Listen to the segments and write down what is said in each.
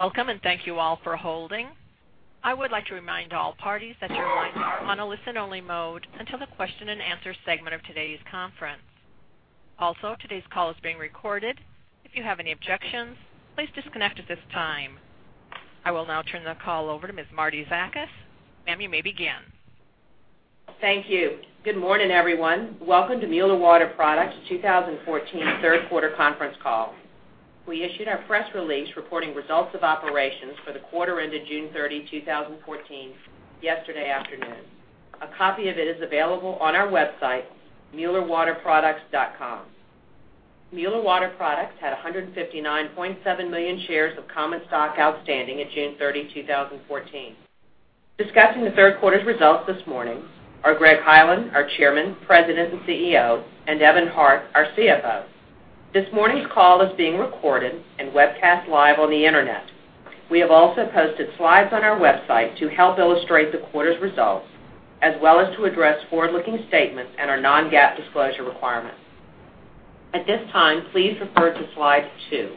Welcome. Thank you all for holding. I would like to remind all parties that your lines are on a listen-only mode until the question and answer segment of today's conference. Today's call is being recorded. If you have any objections, please disconnect at this time. I will now turn the call over to Ms. Marietta Zakas. Ma'am, you may begin. Thank you. Good morning, everyone. Welcome to Mueller Water Products 2014 third quarter conference call. We issued our press release reporting results of operations for the quarter ended June 30, 2014 yesterday afternoon. A copy of it is available on our website, muellerwaterproducts.com. Mueller Water Products had 159.7 million shares of common stock outstanding at June 30, 2014. Discussing the third quarter's results this morning are Greg Hyland, our Chairman, President and CEO, and Evan Hart, our CFO. This morning's call is being recorded and webcast live on the internet. We have posted slides on our website to help illustrate the quarter's results, as well as to address forward-looking statements and our non-GAAP disclosure requirements. At this time, please refer to slide two.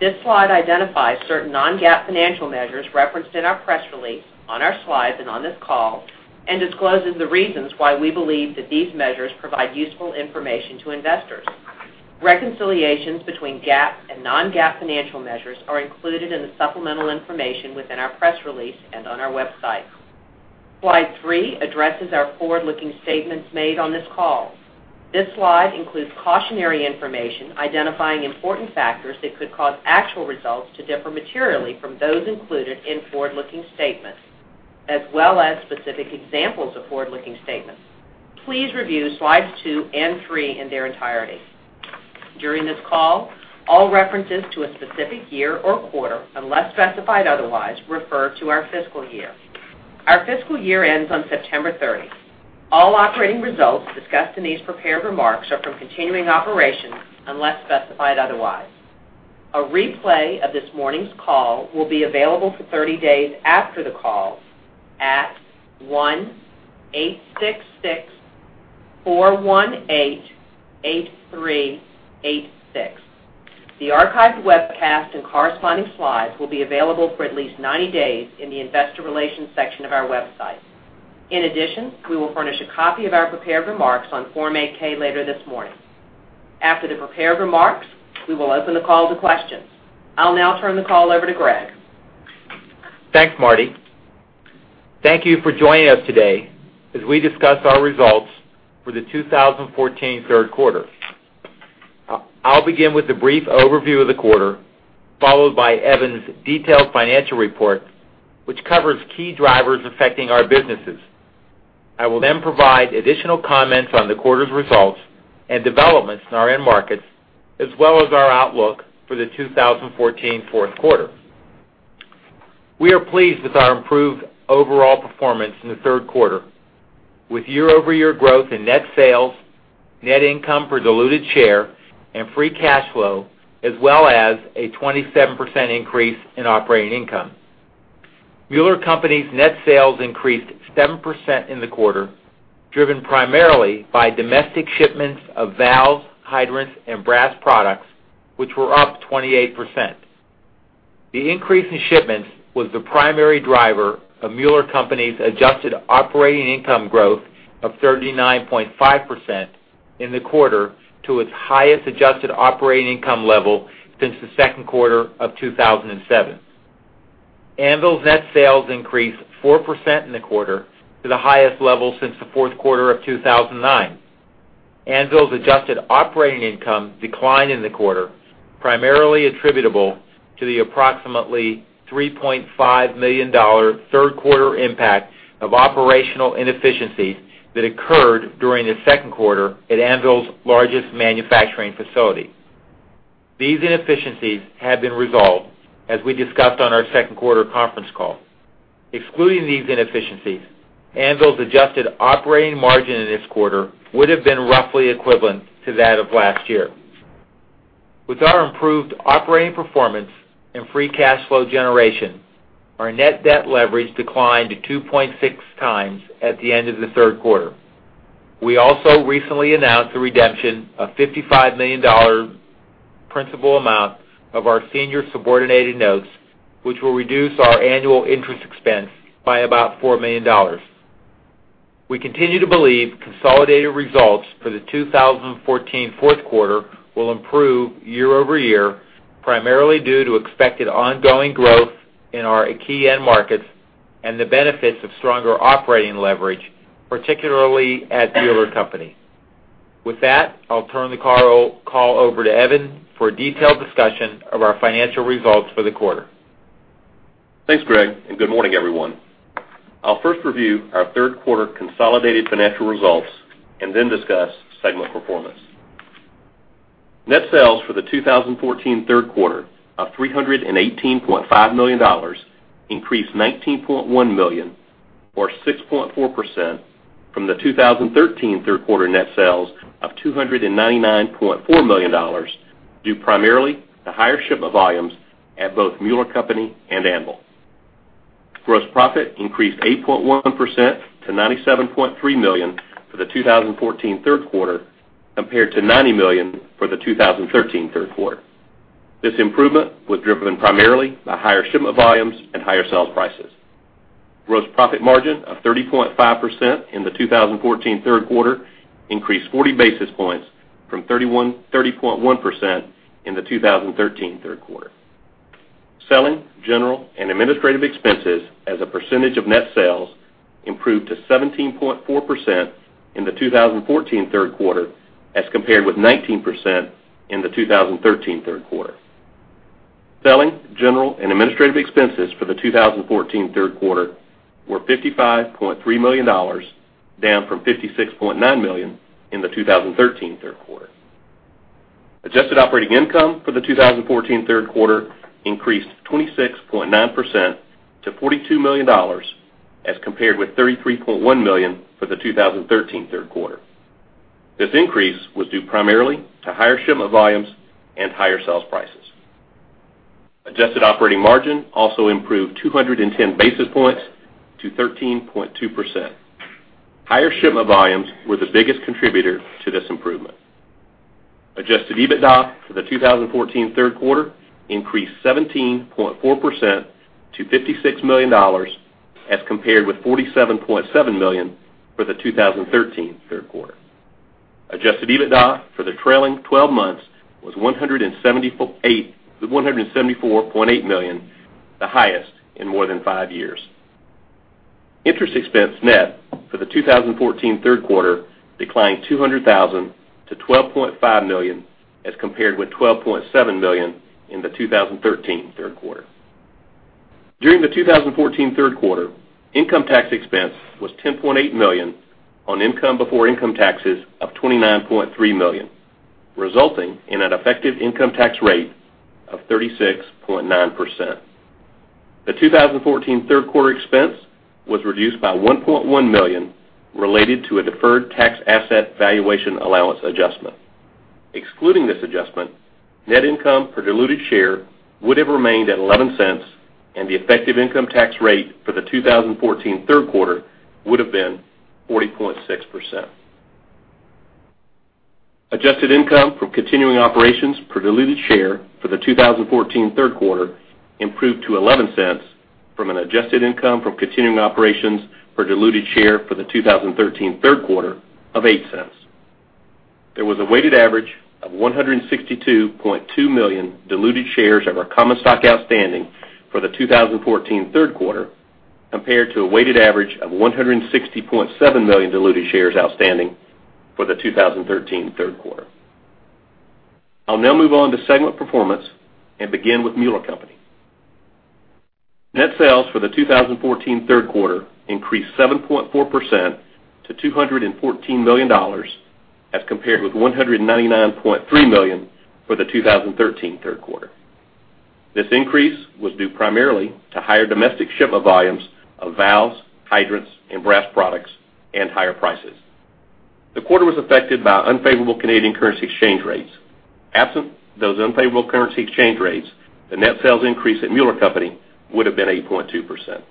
This slide identifies certain non-GAAP financial measures referenced in our press release, on our slides and on this call, discloses the reasons why we believe that these measures provide useful information to investors. Reconciliations between GAAP and non-GAAP financial measures are included in the supplemental information within our press release and on our website. Slide three addresses our forward-looking statements made on this call. This slide includes cautionary information identifying important factors that could cause actual results to differ materially from those included in forward-looking statements, as well as specific examples of forward-looking statements. Please review slides two and three in their entirety. During this call, all references to a specific year or quarter, unless specified otherwise, refer to our fiscal year. Our fiscal year ends on September 30th. All operating results discussed in these prepared remarks are from continuing operations, unless specified otherwise. A replay of this morning's call will be available for 30 days after the call at 1-866-418-8386. The archived webcast and corresponding slides will be available for at least 90 days in the investor relations section of our website. We will furnish a copy of our prepared remarks on Form 8-K later this morning. After the prepared remarks, we will open the call to questions. I'll now turn the call over to Greg. Thanks, Marti. Thank you for joining us today as we discuss our results for the 2014 third quarter. I'll begin with a brief overview of the quarter, followed by Evan's detailed financial report, which covers key drivers affecting our businesses. I will then provide additional comments on the quarter's results and developments in our end markets, as well as our outlook for the 2014 fourth quarter. We are pleased with our improved overall performance in the third quarter, with year-over-year growth in net sales, net income per diluted share, and free cash flow, as well as a 27% increase in operating income. Mueller Co.'s net sales increased 7% in the quarter, driven primarily by domestic shipments of valves, hydrants and brass products, which were up 28%. The increase in shipments was the primary driver of Mueller Co.'s adjusted operating income growth of 39.5% in the quarter to its highest adjusted operating income level since the second quarter of 2007. Anvil's net sales increased 4% in the quarter to the highest level since the fourth quarter of 2009. Anvil's adjusted operating income declined in the quarter, primarily attributable to the approximately $3.5 million third quarter impact of operational inefficiencies that occurred during the second quarter at Anvil's largest manufacturing facility. These inefficiencies have been resolved, as we discussed on our second quarter conference call. Excluding these inefficiencies, Anvil's adjusted operating margin in this quarter would've been roughly equivalent to that of last year. With our improved operating performance and free cash flow generation, our net debt leverage declined to 2.6 times at the end of the third quarter. We also recently announced the redemption of $55 million principal amount of our senior subordinated notes, which will reduce our annual interest expense by about $4 million. We continue to believe consolidated results for the 2014 fourth quarter will improve year-over-year primarily due to expected ongoing growth in our key end markets and the benefits of stronger operating leverage, particularly at Mueller Co. With that, I'll turn the call over to Evan for a detailed discussion of our financial results for the quarter. Thanks, Greg, and good morning, everyone. I'll first review our third quarter consolidated financial results and then discuss segment performance. Net sales for the 2014 third quarter of $318.5 million increased $19.1 million or 6.4% from the 2013 third quarter net sales of $299.4 million due primarily to higher shipment volumes at both Mueller Co. and Anvil. Gross profit increased 8.1% to $97.3 million for the 2014 third quarter, compared to $90 million for the 2013 third quarter. This improvement was driven primarily by higher shipment volumes and higher sales prices. Gross profit margin of 30.5% in the 2014 third quarter increased 40 basis points from 30.1% in the 2013 third quarter. Selling, general and administrative expenses as a percentage of net sales improved to 17.4% in the 2014 third quarter, as compared with 19% in the 2013 third quarter. Selling, general and administrative expenses for the 2014 third quarter were $55.3 million, down from $56.9 million in the 2013 third quarter. Adjusted operating income for the 2014 third quarter increased 26.9% to $42 million, as compared with $33.1 million for the 2013 third quarter. This increase was due primarily to higher shipment volumes and higher sales prices. Adjusted operating margin also improved 210 basis points to 13.2%. Higher shipment volumes were the biggest contributor to this improvement. Adjusted EBITDA for the 2014 third quarter increased 17.4% to $56 million, as compared with $47.7 million for the 2013 third quarter. Adjusted EBITDA for the trailing 12 months was $174.8 million, the highest in more than five years. Interest expense net for the 2014 third quarter declined $200,000 to $12.5 million, as compared with $12.7 million in the 2013 third quarter. During the 2014 third quarter, income tax expense was $10.8 million on income before income taxes of $29.3 million, resulting in an effective income tax rate of 36.9%. The 2014 third quarter expense was reduced by $1.1 million related to a deferred tax asset valuation allowance adjustment. Excluding this adjustment, net income per diluted share would've remained at $0.11, and the effective income tax rate for the 2014 third quarter would've been 40.6%. Adjusted income from continuing operations per diluted share for the 2014 third quarter improved to $0.11 from an adjusted income from continuing operations per diluted share for the 2013 third quarter of $0.08. There was a weighted average of 162.2 million diluted shares of our common stock outstanding for the 2014 third quarter, compared to a weighted average of 160.7 million diluted shares outstanding for the 2013 third quarter. I'll now move on to segment performance and begin with Mueller Co. Net sales for the 2014 third quarter increased 7.4% to $214 million, as compared with $199.3 million for the 2013 third quarter. This increase was due primarily to higher domestic shipment volumes of valves, hydrants and brass products, and higher prices. The quarter was affected by unfavorable Canadian currency exchange rates. Absent those unfavorable currency exchange rates, the net sales increase at Mueller Co. would've been 8.2%.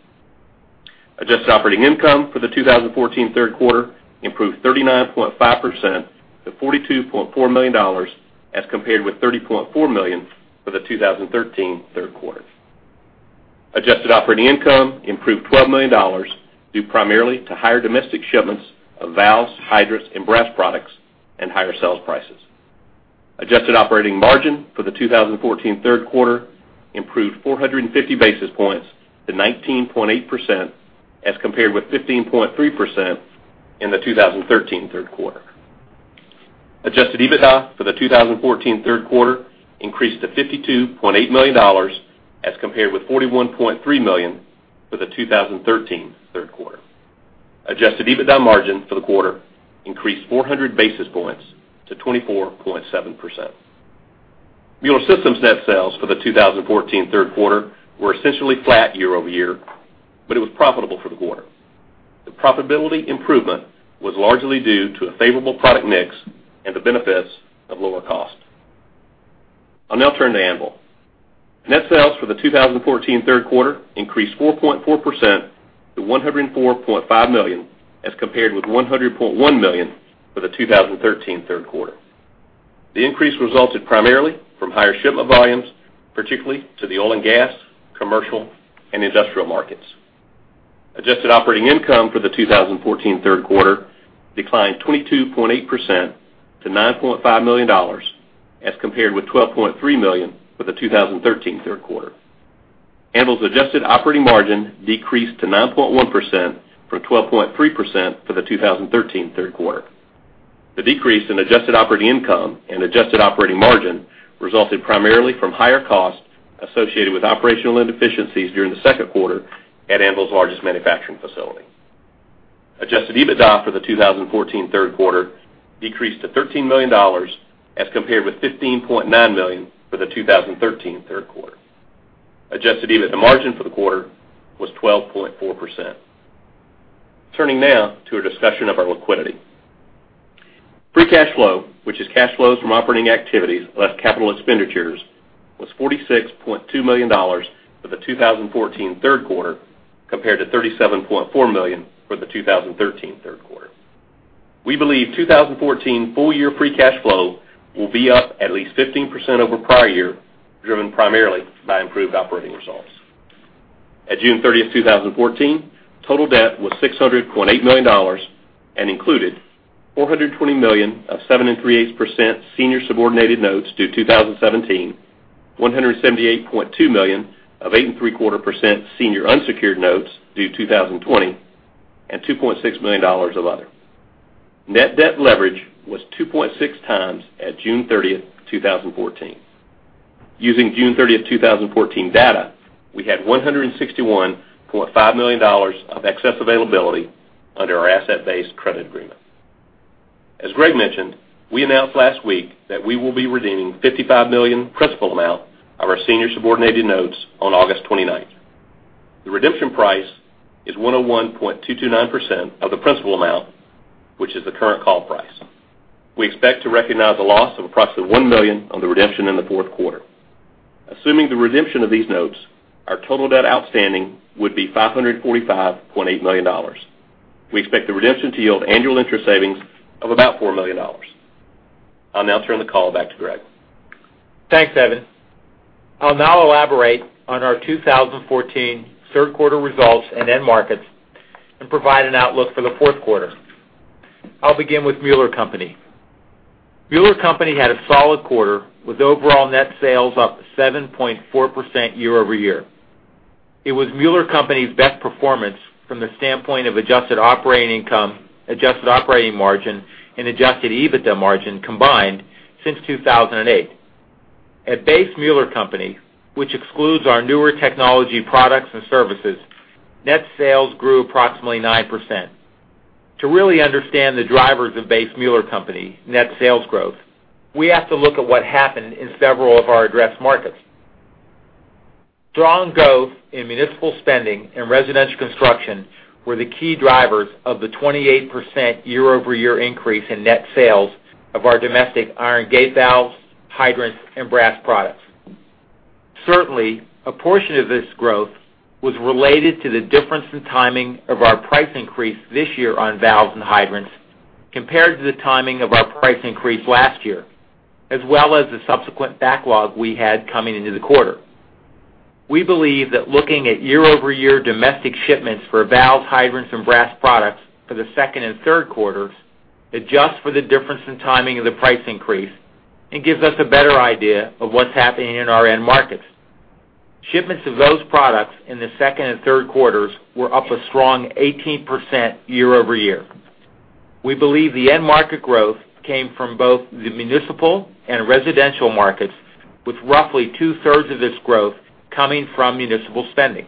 Adjusted operating income for the 2014 third quarter improved 39.5% to $42.4 million, as compared with $30.4 million for the 2013 third quarter. Adjusted operating income improved $12 million due primarily to higher domestic shipments of valves, hydrants and brass products, and higher sales prices. Adjusted operating margin for the 2014 third quarter improved 450 basis points to 19.8%, as compared with 15.3% in the 2013 third quarter. Adjusted EBITDA for the 2014 third quarter increased to $52.8 million, as compared with $41.3 million for the 2013 third quarter. Adjusted EBITDA margin for the quarter increased 400 basis points to 24.7%. Mueller Systems net sales for the 2014 third quarter were essentially flat year-over-year, it was profitable for the quarter. The profitability improvement was largely due to a favorable product mix and the benefits of lower cost. I'll now turn to Anvil. Net sales for the 2014 third quarter increased 4.4% to $104.5 million, as compared with $100.1 million for the 2013 third quarter. The increase resulted primarily from higher shipment volumes, particularly to the oil and gas, commercial, and industrial markets. Adjusted operating income for the 2014 third quarter declined 22.8% to $9.5 million, as compared with $12.3 million for the 2013 third quarter. Anvil's adjusted operating margin decreased to 9.1% from 12.3% for the 2013 third quarter. The decrease in adjusted operating income and adjusted operating margin resulted primarily from higher costs associated with operational inefficiencies during the second quarter at Anvil's largest manufacturing facility. Adjusted EBITDA for the 2014 third quarter decreased to $13 million, as compared with $15.9 million for the 2013 third quarter. Adjusted EBITDA margin for the quarter was 12.4%. Turning now to a discussion of our liquidity. Free cash flow, which is cash flows from operating activities less capital expenditures, was $46.2 million for the 2014 third quarter, compared to $37.4 million for the 2013 third quarter. We believe 2014 full-year free cash flow will be up at least 15% over prior year, driven primarily by improved operating results. At June 30th, 2014, total debt was $600.8 million and included $420 million of 7.375% senior subordinated notes due 2017, $178.2 million of 8.75% senior unsecured notes due 2020, and $2.6 million of other. Net debt leverage was 2.6 times at June 30th, 2014. Using June 30th, 2014 data, we had $161.5 million of excess availability under our asset-based credit agreement. As Greg mentioned, we announced last week that we will be redeeming $55 million principal amount of our senior subordinated notes on August 29th. The redemption price is 101.229% of the principal amount, which is the current call price. We expect to recognize a loss of approximately $1 million on the redemption in the fourth quarter. Assuming the redemption of these notes, our total debt outstanding would be $545.8 million. We expect the redemption to yield annual interest savings of about $4 million. I'll now turn the call back to Greg. Thanks, Evan. I'll now elaborate on our 2014 third quarter results and end markets and provide an outlook for the fourth quarter. I'll begin with Mueller Co. Mueller Co. had a solid quarter, with overall net sales up 7.4% year-over-year. It was Mueller Co.'s best performance from the standpoint of adjusted operating income, adjusted operating margin, and adjusted EBITDA margin combined since 2008. At base Mueller Co., which excludes our newer technology products and services, net sales grew approximately 9%. To really understand the drivers of base Mueller Co. net sales growth, we have to look at what happened in several of our address markets. Strong growth in municipal spending and residential construction were the key drivers of the 28% year-over-year increase in net sales of our domestic iron gate valves, hydrants, and brass products. Certainly, a portion of this growth was related to the difference in timing of our price increase this year on valves and hydrants compared to the timing of our price increase last year, as well as the subsequent backlog we had coming into the quarter. We believe that looking at year-over-year domestic shipments for valves, hydrants, and brass products for the second and third quarters adjusts for the difference in timing of the price increase and gives us a better idea of what's happening in our end markets. Shipments of those products in the second and third quarters were up a strong 18% year-over-year. We believe the end market growth came from both the municipal and residential markets, with roughly two-thirds of this growth coming from municipal spending.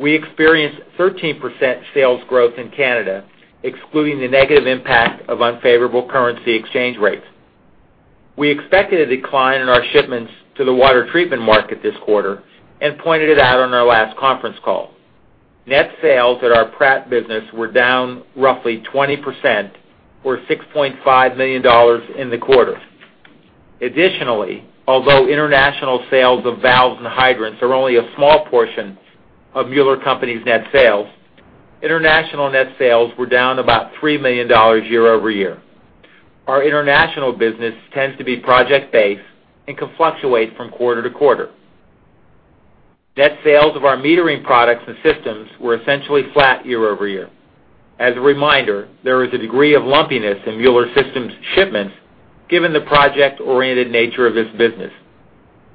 We experienced 13% sales growth in Canada, excluding the negative impact of unfavorable currency exchange rates. We expected a decline in our shipments to the water treatment market this quarter and pointed it out on our last conference call. Net sales at our Pratt business were down roughly 20%, or $6.5 million in the quarter. Additionally, although international sales of valves and hydrants are only a small portion of Mueller Company's net sales, international net sales were down about $3 million year-over-year. Our international business tends to be project-based and can fluctuate from quarter to quarter. Net sales of our metering products and systems were essentially flat year-over-year. As a reminder, there is a degree of lumpiness in Mueller Systems shipments, given the project-oriented nature of this business.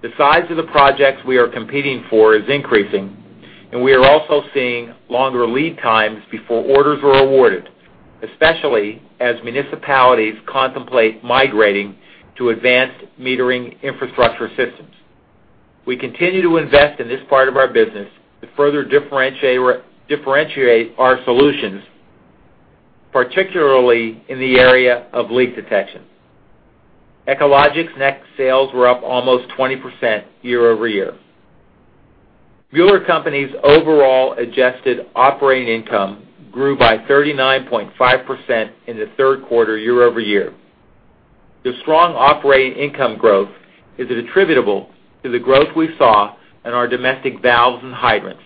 The size of the projects we are competing for is increasing, and we are also seeing longer lead times before orders are awarded, especially as municipalities contemplate migrating to Advanced Metering Infrastructure systems. We continue to invest in this part of our business to further differentiate our solutions, particularly in the area of leak detection. Echologics' net sales were up almost 20% year-over-year. Mueller Company's overall adjusted operating income grew by 39.5% in the third quarter year-over-year. The strong operating income growth is attributable to the growth we saw in our domestic valves and hydrants,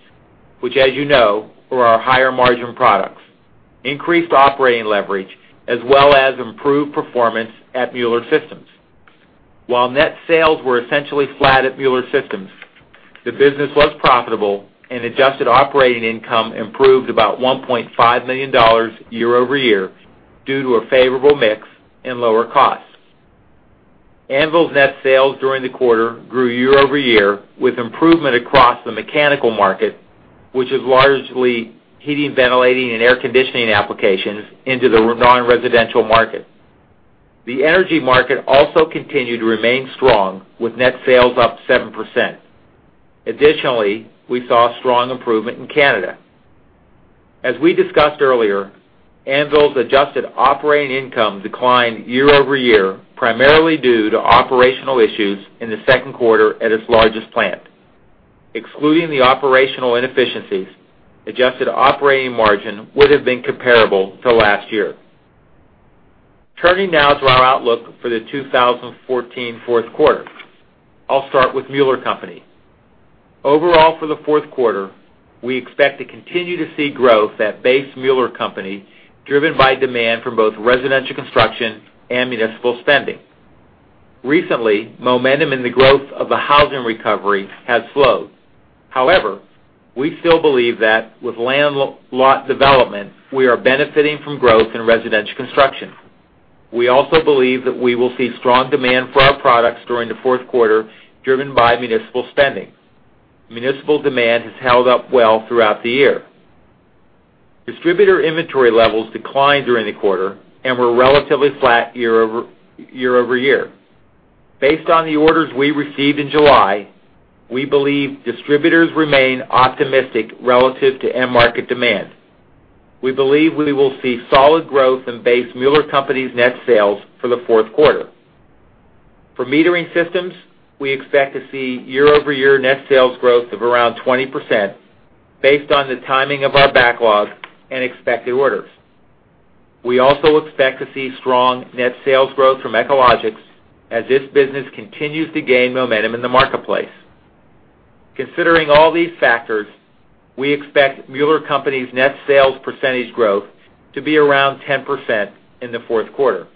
which, as you know, were our higher margin products, increased operating leverage, as well as improved performance at Mueller Systems. While net sales were essentially flat at Mueller Systems, the business was profitable, and adjusted operating income improved about $1.5 million year-over-year due to a favorable mix and lower costs. Anvil's net sales during the quarter grew year-over-year with improvement across the mechanical market, which is largely heating, ventilating, and air conditioning applications into the non-residential market. The energy market also continued to remain strong, with net sales up 7%. We saw strong improvement in Canada. As we discussed earlier, Anvil's adjusted operating income declined year-over-year, primarily due to operational issues in the second quarter at its largest plant. Excluding the operational inefficiencies, adjusted operating margin would have been comparable to last year. Turning now to our outlook for the 2014 fourth quarter. I'll start with Mueller Company. For the fourth quarter, we expect to continue to see growth at base Mueller Company, driven by demand from both residential construction and municipal spending. Recently, momentum in the growth of the housing recovery has slowed. We still believe that with land lot development, we are benefiting from growth in residential construction. We also believe that we will see strong demand for our products during the fourth quarter, driven by municipal spending. Municipal demand has held up well throughout the year. Distributor inventory levels declined during the quarter and were relatively flat year-over-year. Based on the orders we received in July, we believe distributors remain optimistic relative to end market demand. We believe we will see solid growth in base Mueller Co.'s net sales for the fourth quarter. For metering systems, we expect to see year-over-year net sales growth of around 20%, based on the timing of our backlog and expected orders. We also expect to see strong net sales growth from Echologics as this business continues to gain momentum in the marketplace. Considering all these factors, we expect Mueller Co.'s net sales percentage growth to be around 10% in the fourth quarter.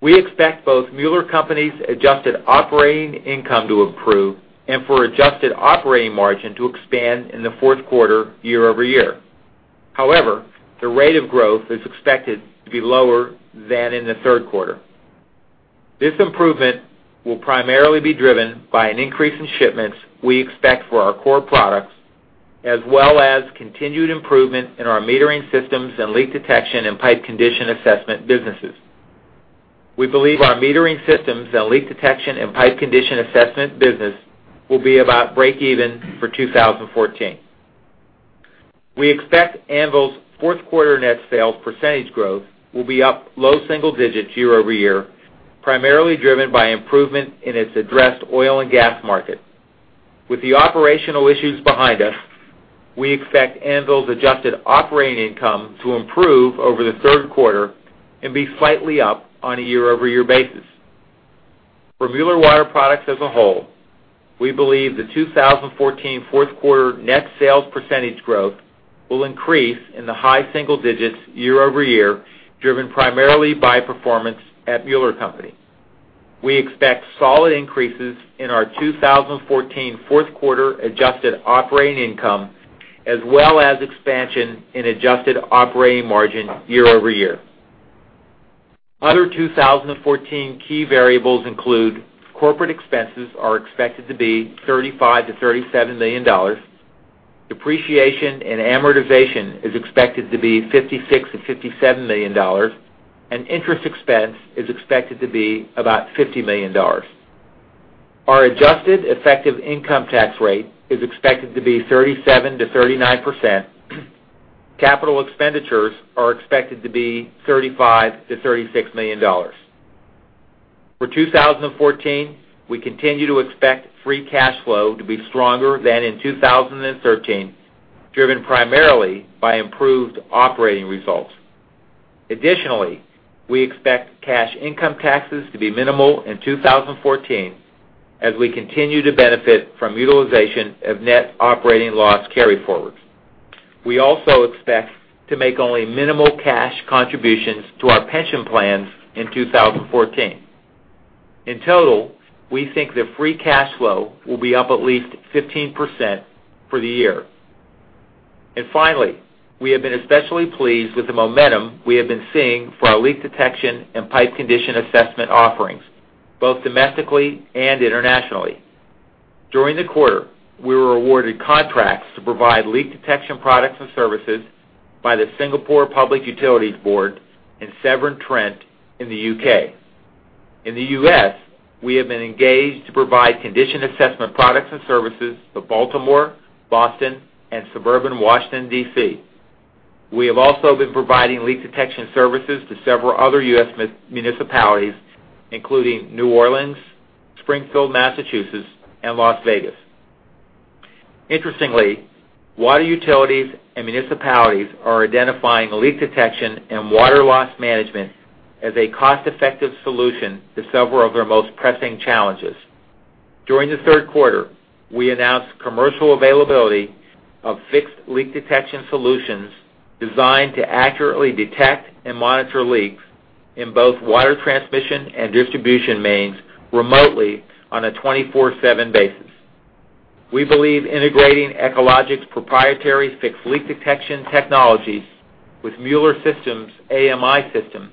We expect both Mueller Co.'s adjusted operating income to improve and for adjusted operating margin to expand in the fourth quarter year-over-year. The rate of growth is expected to be lower than in the third quarter. This improvement will primarily be driven by an increase in shipments we expect for our core products, as well as continued improvement in our metering systems and leak detection and pipe condition assessment businesses. We believe our metering systems and leak detection and pipe condition assessment business will be about breakeven for 2014. We expect Anvil's fourth quarter net sales percentage growth will be up low single digits year-over-year, primarily driven by improvement in its addressed oil and gas market. With the operational issues behind us, we expect Anvil's adjusted operating income to improve over the third quarter and be slightly up on a year-over-year basis. For Mueller Water Products as a whole, we believe the 2014 fourth quarter net sales percentage growth will increase in the high single digits year-over-year, driven primarily by performance at Mueller Co. We expect solid increases in our 2014 fourth quarter adjusted operating income, as well as expansion in adjusted operating margin year-over-year. Other 2014 key variables include corporate expenses are expected to be $35 million-$37 million, depreciation and amortization is expected to be $56 million-$57 million, and interest expense is expected to be about $50 million. Our adjusted effective income tax rate is expected to be 37%-39%. Capital expenditures are expected to be $35 million-$36 million. For 2014, we continue to expect free cash flow to be stronger than in 2013, driven primarily by improved operating results. We expect cash income taxes to be minimal in 2014 as we continue to benefit from utilization of net operating loss carry-forwards. We also expect to make only minimal cash contributions to our pension plans in 2014. In total, we think that free cash flow will be up at least 15% for the year. Finally, we have been especially pleased with the momentum we have been seeing for our leak detection and pipe condition assessment offerings, both domestically and internationally. During the quarter, we were awarded contracts to provide leak detection products and services by the Singapore Public Utilities Board in Severn Trent in the U.K. In the U.S., we have been engaged to provide condition assessment products and services to Baltimore, Boston, and suburban Washington, D.C. We have also been providing leak detection services to several other U.S. municipalities, including New Orleans, Springfield, Massachusetts, and Las Vegas. Interestingly, water utilities and municipalities are identifying leak detection and water loss management as a cost-effective solution to several of their most pressing challenges. During the third quarter, we announced commercial availability of fixed leak detection solutions designed to accurately detect and monitor leaks in both water transmission and distribution mains remotely on a 24/7 basis. We believe integrating Echologics' proprietary fixed leak detection technologies with Mueller Systems' AMI system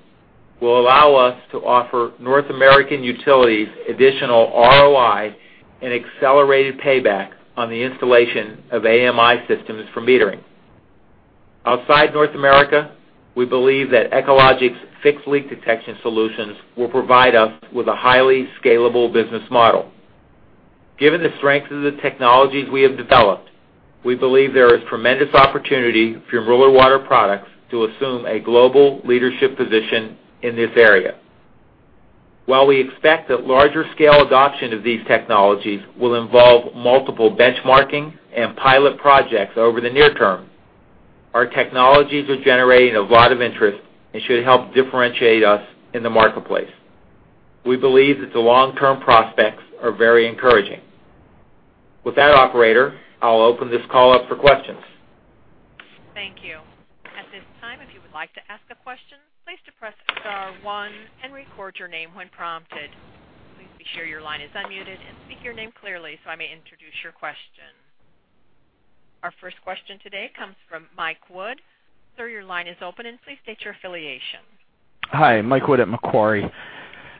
will allow us to offer North American utilities additional ROI and accelerated payback on the installation of AMI systems for metering. Outside North America, we believe that Echologics' fixed leak detection solutions will provide us with a highly scalable business model. Given the strength of the technologies we have developed, we believe there is tremendous opportunity for Mueller Water Products to assume a global leadership position in this area. While we expect that larger scale adoption of these technologies will involve multiple benchmarking and pilot projects over the near term, our technologies are generating a lot of interest and should help differentiate us in the marketplace. We believe that the long-term prospects are very encouraging. With that operator, I'll open this call up for questions. Thank you. At this time, if you would like to ask a question, please press star one and record your name when prompted. Please be sure your line is unmuted and speak your name clearly so I may introduce your question. Our first question today comes from Mike Wood. Sir, your line is open and please state your affiliation. Hi, Mike Wood at Macquarie.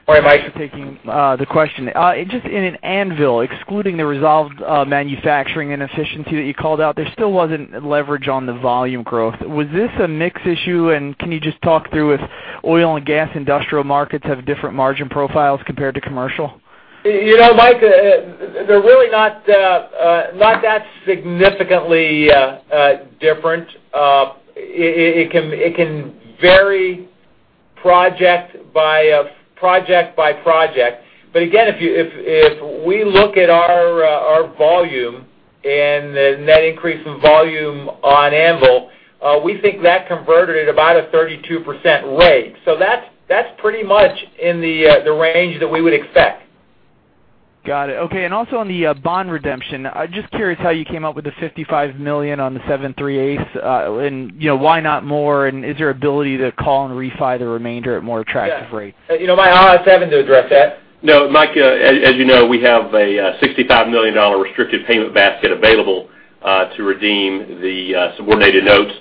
Hi, Mike. Thanks for taking the question. Just in Anvil, excluding the resolved manufacturing inefficiency that you called out, there still wasn't leverage on the volume growth. Was this a mix issue, and can you just talk through if oil and gas industrial markets have different margin profiles compared to commercial? Mike, they're really not that significantly different. It can vary project by project. Again, if we look at our volume and the net increase in volume on Anvil, we think that converted at about a 32% rate. That's pretty much in the range that we would expect. Got it. Okay, also on the bond redemption, just curious how you came up with the $55 million on the 7/3/8, why not more, is there ability to call and refi the remainder at more attractive rates? Yes. Mike, I'll ask Kevin to address that. No, Mike, as you know, we have a $65 million restricted payment basket available to redeem the subordinated notes.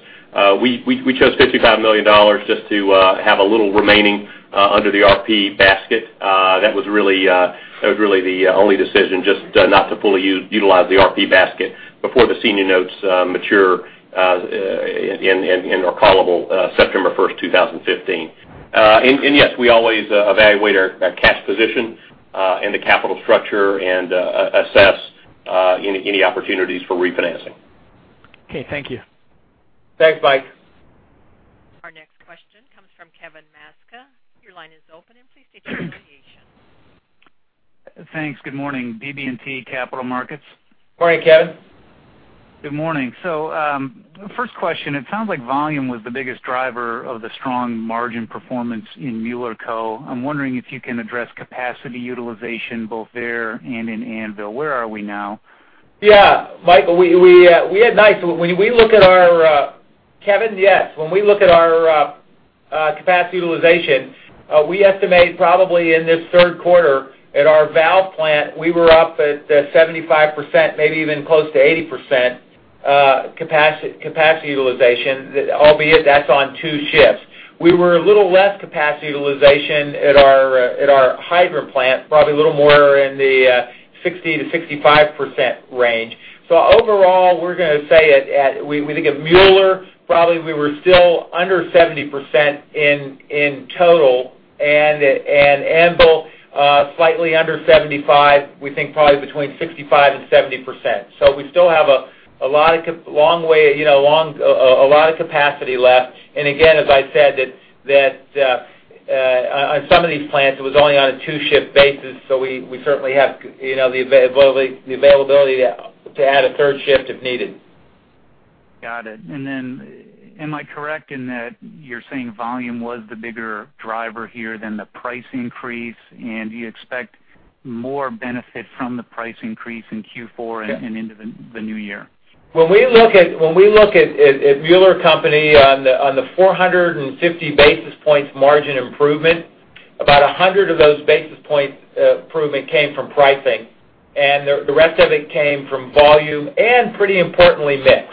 We chose $55 million just to have a little remaining under the RP basket. That was really the only decision, just not to fully utilize the RP basket before the senior notes mature and/or callable September 1st, 2015. Yes, we always evaluate our cash position and the capital structure and assess any opportunities for refinancing. Okay. Thank you. Thanks, Mike. Our next question comes from Kevin Maczka. Your line is open and please state your affiliation. Thanks. Good morning. BB&T Capital Markets. Morning, Kevin. Good morning. First question, it sounds like volume was the biggest driver of the strong margin performance in Mueller Co. I'm wondering if you can address capacity utilization both there and in Anvil. Where are we now? Yeah. Kevin, yes. When we look at our capacity utilization, we estimate probably in this third quarter at our valve plant, we were up at 75%, maybe even close to 80% capacity utilization, albeit that's on two shifts. We were a little less capacity utilization at our hydrant plant, probably a little more in the 60%-65% range. Overall, we're going to say, we think at Mueller, probably we were still under 70% in total, and Anvil, slightly under 75%, we think probably between 65% and 70%. We still have a lot of capacity left. Again, as I said, that on some of these plants, it was only on a two-shift basis, so we certainly have the availability to add a third shift if needed. Got it. Then am I correct in that you're saying volume was the bigger driver here than the price increase, and do you expect more benefit from the price increase in Q4 and into the new year? When we look at Mueller Co. on the 450 basis points margin improvement, about 100 of those basis points improvement came from pricing, and the rest of it came from volume and pretty importantly, mix.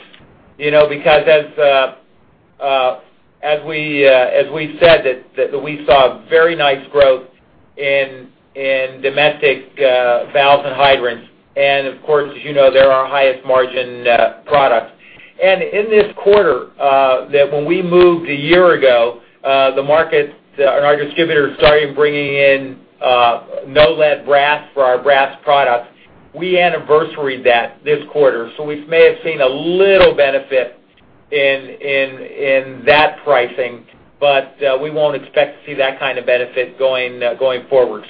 As we said, that we saw very nice growth in domestic valves and hydrants, and of course, as you know, they're our highest margin products. In this quarter, that when we moved a year ago, the market and our distributors started bringing in no-lead brass for our brass products. We anniversaried that this quarter, so we may have seen a little benefit in that pricing, but we won't expect to see that kind of benefit going forward.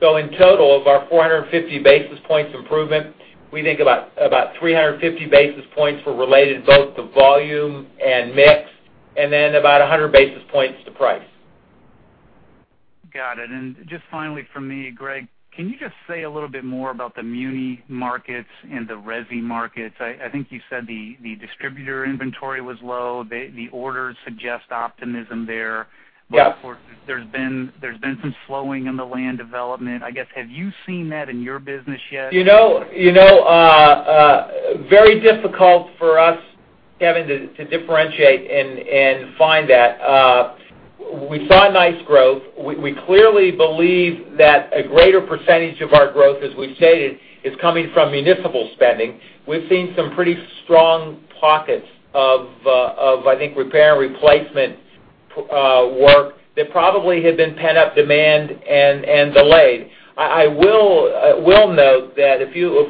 In total, of our 450 basis points improvement, we think about 350 basis points were related both to volume and mix, and then about 100 basis points to price. Got it. Just finally from me, Greg, can you just say a little bit more about the muni markets and the resi markets? I think you said the distributor inventory was low. The orders suggest optimism there. Yeah. Of course, there's been some slowing in the land development. I guess, have you seen that in your business yet? Very difficult for us, Kevin, to differentiate and find that. We saw nice growth. We clearly believe that a greater percentage of our growth, as we've stated, is coming from municipal spending. We've seen some pretty strong pockets of, I think repair and replacement work that probably had been pent up demand and delayed. I will note that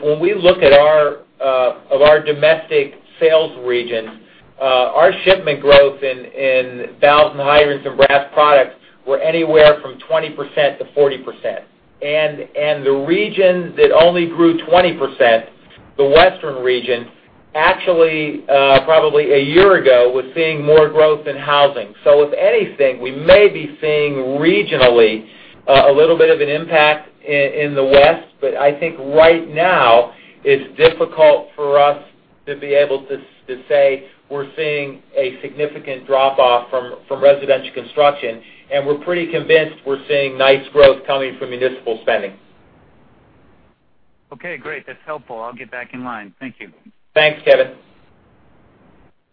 when we look at our domestic sales regions, our shipment growth in valves and hydrants and brass products were anywhere from 20%-40%. The region that only grew 20%, the Western region, actually, probably a year ago, was seeing more growth in housing. If anything, we may be seeing regionally, a little bit of an impact in the West. I think right now, it's difficult for us to be able to say we're seeing a significant drop-off from residential construction, and we're pretty convinced we're seeing nice growth coming from municipal spending. Okay, great. That's helpful. I'll get back in line. Thank you. Thanks, Kevin.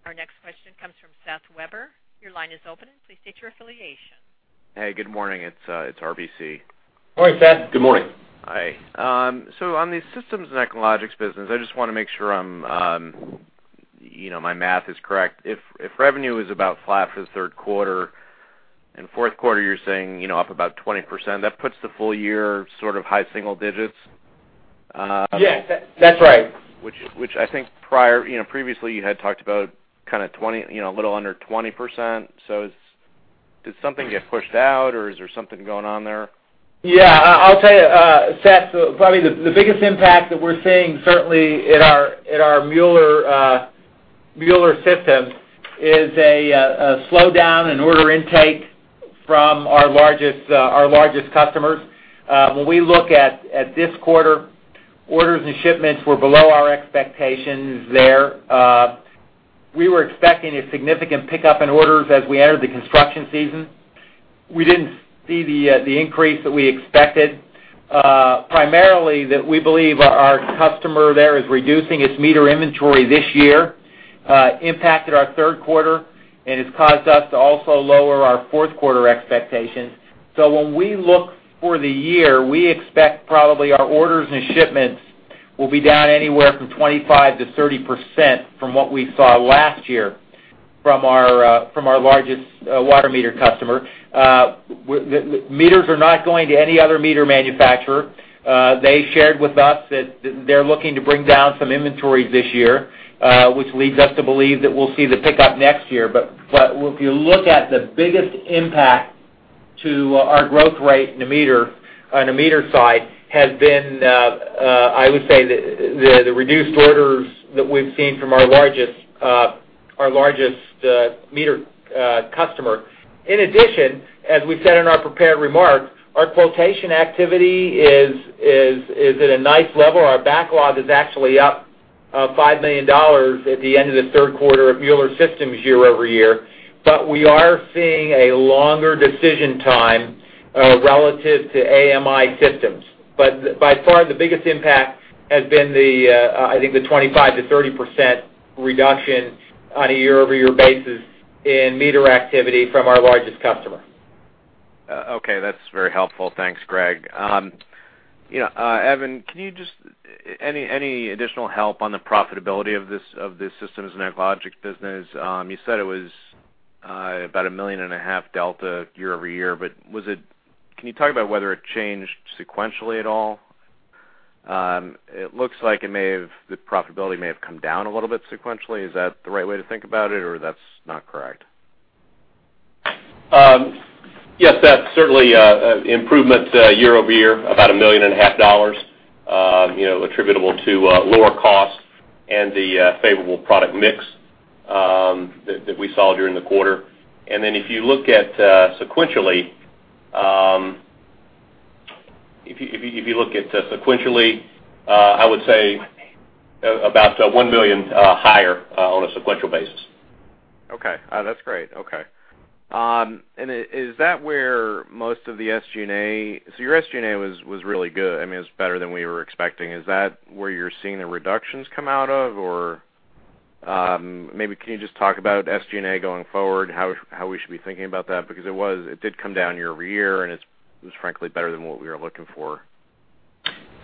Our next question comes from Seth Weber. Your line is open. Please state your affiliation. Hey, good morning. It's RBC. Hi, Seth. Good morning. Hi. On the Systems and Echologics business, I just want to make sure my math is correct. If revenue is about flat for the third quarter, and fourth quarter, you're saying up about 20%, that puts the full year sort of high single digits. Yes. That's right. Which I think previously you had talked about a little under 20%. Did something get pushed out, or is there something going on there? Yeah. I'll tell you, Seth, probably the biggest impact that we're seeing, certainly in our Mueller Systems, is a slowdown in order intake from our largest customers. When we look at this quarter, orders and shipments were below our expectations there. We were expecting a significant pickup in orders as we entered the construction season. We didn't see the increase that we expected. Primarily, that we believe our customer there is reducing its meter inventory this year, impacted our third quarter, and it's caused us to also lower our fourth quarter expectations. When we look for the year, we expect probably our orders and shipments will be down anywhere from 25%-30% from what we saw last year from our largest water meter customer. Meters are not going to any other meter manufacturer. They shared with us that they're looking to bring down some inventories this year, which leads us to believe that we'll see the pickup next year. If you look at the biggest impact to our growth rate on the meter side has been, I would say, the reduced orders that we've seen from our largest meter customer. In addition, as we said in our prepared remarks, our quotation activity is at a nice level. Our backlog is actually up $5 million at the end of the third quarter of Mueller Systems year-over-year. We are seeing a longer decision time relative to AMI systems. By far, the biggest impact has been, I think, the 25%-30% reduction on a year-over-year basis in meter activity from our largest customer. Okay, that's very helpful. Thanks, Greg. Evan, any additional help on the profitability of this Systems and Echologics business? You said it was about a million and a half delta year-over-year, can you talk about whether it changed sequentially at all? It looks like the profitability may have come down a little bit sequentially. Is that the right way to think about it, or that's not correct? Yes, Seth. Certainly, improvement year-over-year, about a million and a half dollars attributable to lower costs and the favorable product mix that we saw during the quarter. If you look at sequentially, I would say about $1 million higher on a sequential basis. Okay. That's great. Okay. Is that where most of the SG&A? Your SG&A was really good. It was better than we were expecting. Is that where you're seeing the reductions come out of? Maybe can you just talk about SG&A going forward, how we should be thinking about that? It did come down year-over-year, and it's frankly better than what we were looking for.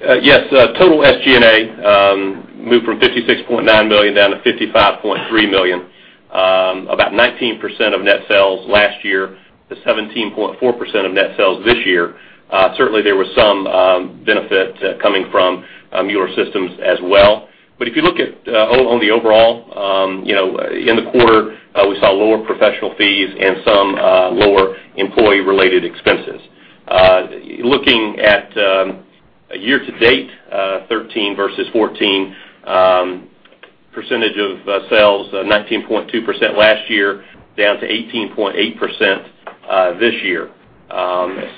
Yes. Total SG&A moved from $56.9 million down to $55.3 million. About 19% of net sales last year to 17.4% of net sales this year. Certainly, there was some benefit coming from Mueller Systems as well. If you look on the overall, in the quarter, we saw lower professional fees and some lower employee-related expenses. Looking at year-to-date, 2013 versus 2014, percentage of sales, 19.2% last year down to 18.8% this year.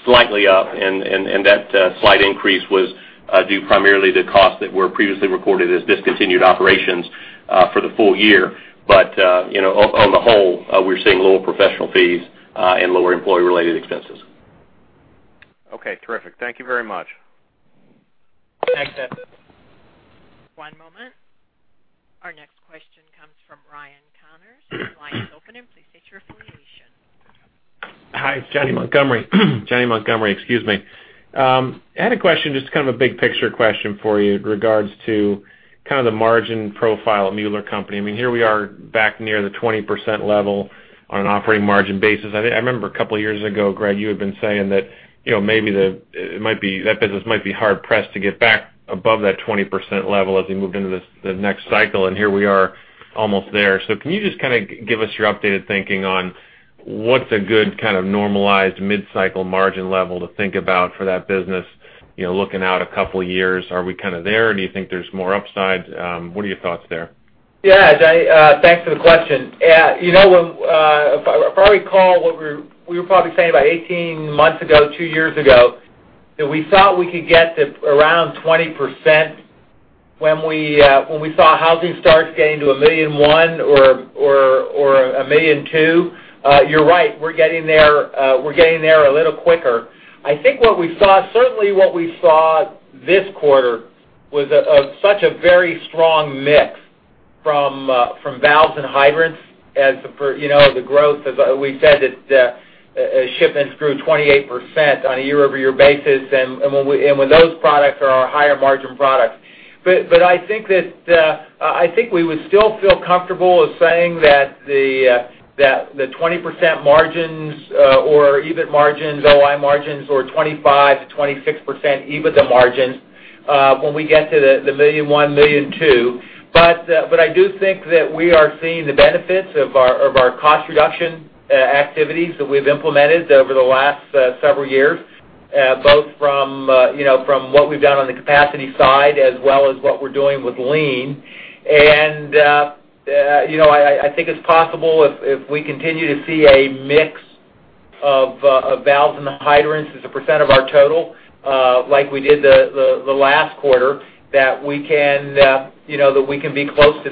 Slightly up, that slight increase was due primarily to costs that were previously recorded as discontinued operations for the full year. On the whole, we're seeing lower professional fees and lower employee-related expenses. Okay, terrific. Thank you very much. Thanks, Seth. One moment. Our next question comes from Ryan Connors. Your line is open, and please state your affiliation. Hi, it's John Montgomery. John Montgomery. Excuse me. I had a question, just kind of a big picture question for you in regards to kind of the margin profile of Mueller Co.. Here we are back near the 20% level on an operating margin basis. I remember a couple of years ago, Greg, you had been saying that that business might be hard-pressed to get back above that 20% level as we moved into the next cycle, and here we are almost there. Can you just kind of give us your updated thinking on what's a good kind of normalized mid-cycle margin level to think about for that business, looking out a couple of years? Are we kind of there? Do you think there's more upside? What are your thoughts there? Yeah, John, thanks for the question. If I recall, we were probably saying about 18 months ago, two years ago, that we thought we could get to around 20% when we saw housing starts getting to 1.1 million or 1.2 million. You're right, we're getting there a little quicker. I think certainly what we saw this quarter was such a very strong mix from valves and hydrants as per the growth. As we said, shipments grew 28% on a year-over-year basis, and when those products are our higher margin products. I think we would still feel comfortable saying that the 20% margins or EBIT margins, OI margins or 25%-26% EBIT margins when we get to the 1.1 million, 1.2 million. I do think that we are seeing the benefits of our cost reduction activities that we've implemented over the last several years, both from what we've done on the capacity side as well as what we're doing with Lean. I think it's possible if we continue to see a mix of valves and hydrants as a percent of our total, like we did the last quarter, that we can be close to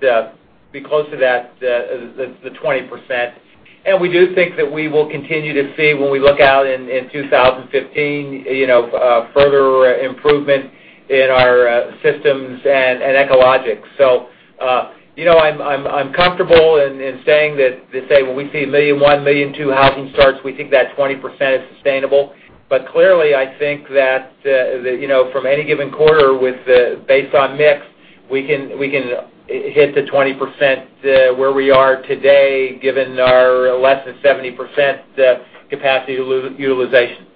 the 20%. We do think that we will continue to see when we look out in 2015, further improvement in our systems and Echologics. I'm comfortable in saying that when we see 1.1 million-1.2 million housing starts, we think that 20% is sustainable. Clearly, I think that from any given quarter based on mix, we can hit the 20% where we are today, given our less than 70% capacity utilization.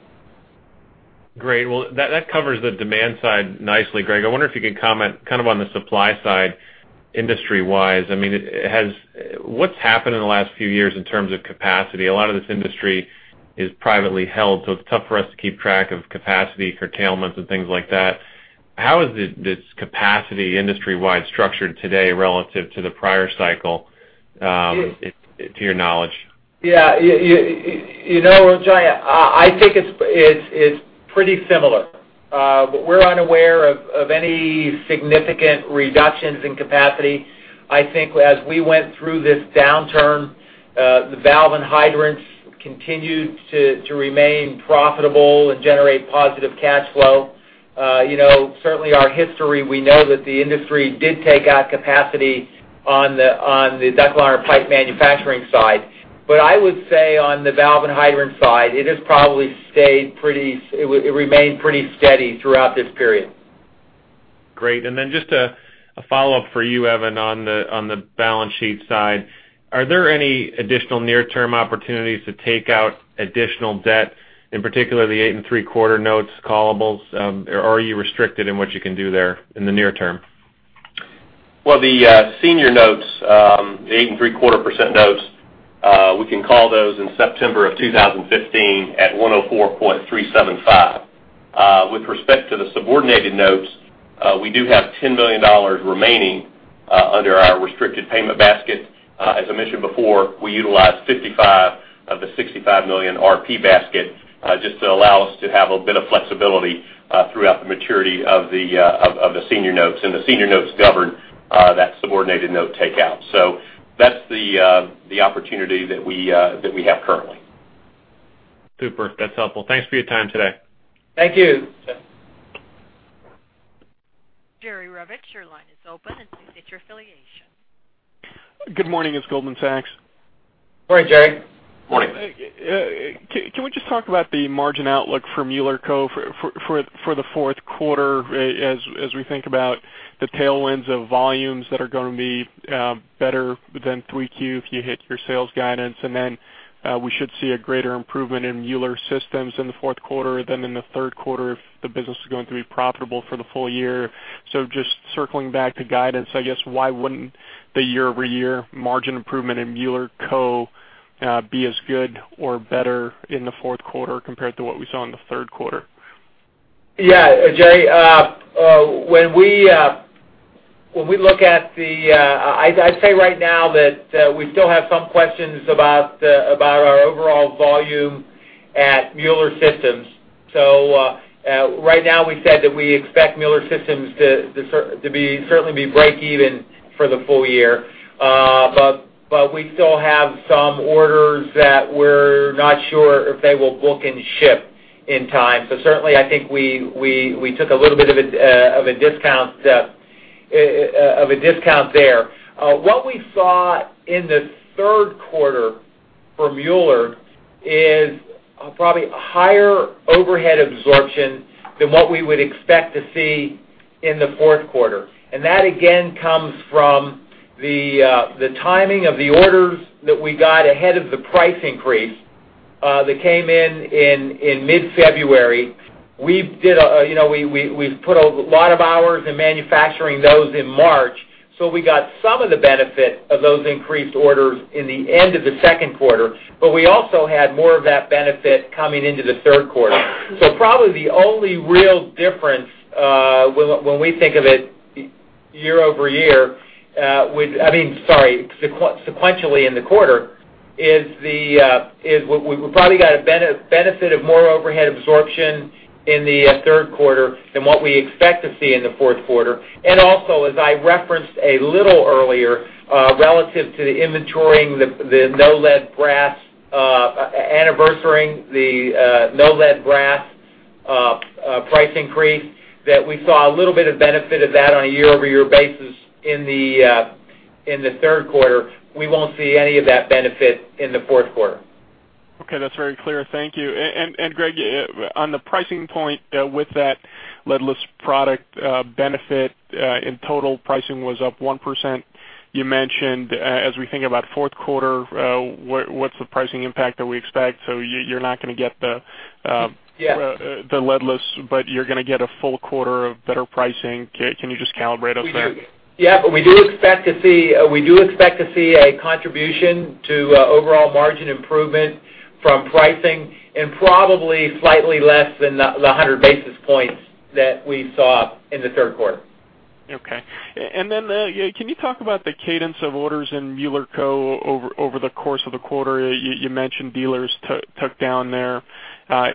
Great. Well, that covers the demand side nicely, Greg. I wonder if you could comment on the supply side, industry-wise. What's happened in the last few years in terms of capacity? A lot of this industry is privately held, it's tough for us to keep track of capacity curtailments and things like that. How is this capacity industry-wide structured today relative to the prior cycle, to your knowledge? Yeah. John, I think it's pretty similar. We're unaware of any significant reductions in capacity. I think as we went through this downturn, the valve and hydrants continued to remain profitable and generate positive cash flow. Certainly our history, we know that the industry did take out capacity on the ductile iron pipe manufacturing side. I would say on the valve and hydrant side, it has probably remained pretty steady throughout this period. Great. Then just a follow-up for you, Evan, on the balance sheet side. Are there any additional near-term opportunities to take out additional debt, in particular the 8.75 notes callables? Are you restricted in what you can do there in the near term? Well, the senior notes, the 8.75% notes, we can call those in September of 2015 at 104.375. With respect to the subordinated notes, we do have $10 million remaining under our restricted payment basket. As I mentioned before, we utilized $55 million of the $65 million RP basket, just to allow us to have a bit of flexibility throughout the maturity of the senior notes. The senior notes govern that subordinated note takeout. That's the opportunity that we have currently. Super. That's helpful. Thanks for your time today. Thank you. Sure. Jerry Revich, your line is open and please state your affiliation. Good morning. It's Goldman Sachs. Morning, Jerry. Morning. Can we just talk about the margin outlook for Mueller Co. for the fourth quarter, as we think about the tailwinds of volumes that are going to be better than Q3 if you hit your sales guidance? We should see a greater improvement in Mueller Systems in the fourth quarter than in the third quarter, if the business is going to be profitable for the full year. Just circling back to guidance, I guess why wouldn't the year-over-year margin improvement in Mueller Co. be as good or better in the fourth quarter compared to what we saw in the third quarter? Yeah, Jerry. I'd say right now that we still have some questions about our overall volume at Mueller Systems. Right now, we said that we expect Mueller Systems to certainly be breakeven for the full year. We still have some orders that we're not sure if they will book and ship in time. Certainly, I think I took a little bit of a discount there. What we saw in the third quarter for Mueller is probably a higher overhead absorption than what we would expect to see in the fourth quarter. That, again, comes from the timing of the orders that we got ahead of the price increase. That came in mid-February. We've put a lot of hours in manufacturing those in March. We got some of the benefit of those increased orders in the end of the second quarter, we also had more of that benefit coming into the third quarter. Probably the only real difference when we think of it, Sorry, sequentially in the quarter, is we probably got a benefit of more overhead absorption in the third quarter than what we expect to see in the fourth quarter. Also, as I referenced a little earlier, relative to the inventorying, the anniversarying the no-lead brass price increase that we saw a little bit of benefit of that on a year-over-year basis in the third quarter. We won't see any of that benefit in the fourth quarter. That's very clear. Thank you. Greg, on the pricing point with that leadless product benefit, in total, pricing was up 1%. You mentioned, as we think about fourth quarter, what's the pricing impact that we expect? You're not going to get the- Yeah the leadless, you're going to get a full quarter of better pricing. Can you just calibrate us there? We do expect to see a contribution to overall margin improvement from pricing and probably slightly less than the 100 basis points that we saw in the third quarter. Can you talk about the cadence of orders in Mueller Co over the course of the quarter? You mentioned dealers took down their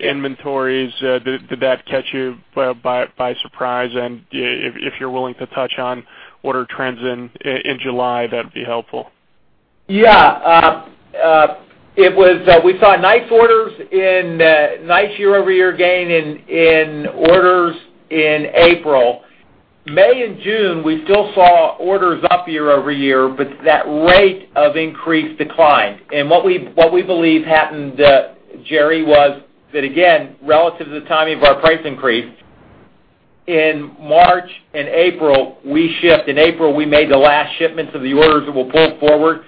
inventories. Did that catch you by surprise? If you're willing to touch on order trends in July, that'd be helpful. Yeah. We saw a nice year-over-year gain in orders in April. May and June, we still saw orders up year-over-year, but that rate of increase declined. What we believe happened, Jerry, was that, again, relative to the timing of our price increase, in March and April, we shipped. In April, we made the last shipments of the orders that were pulled forward.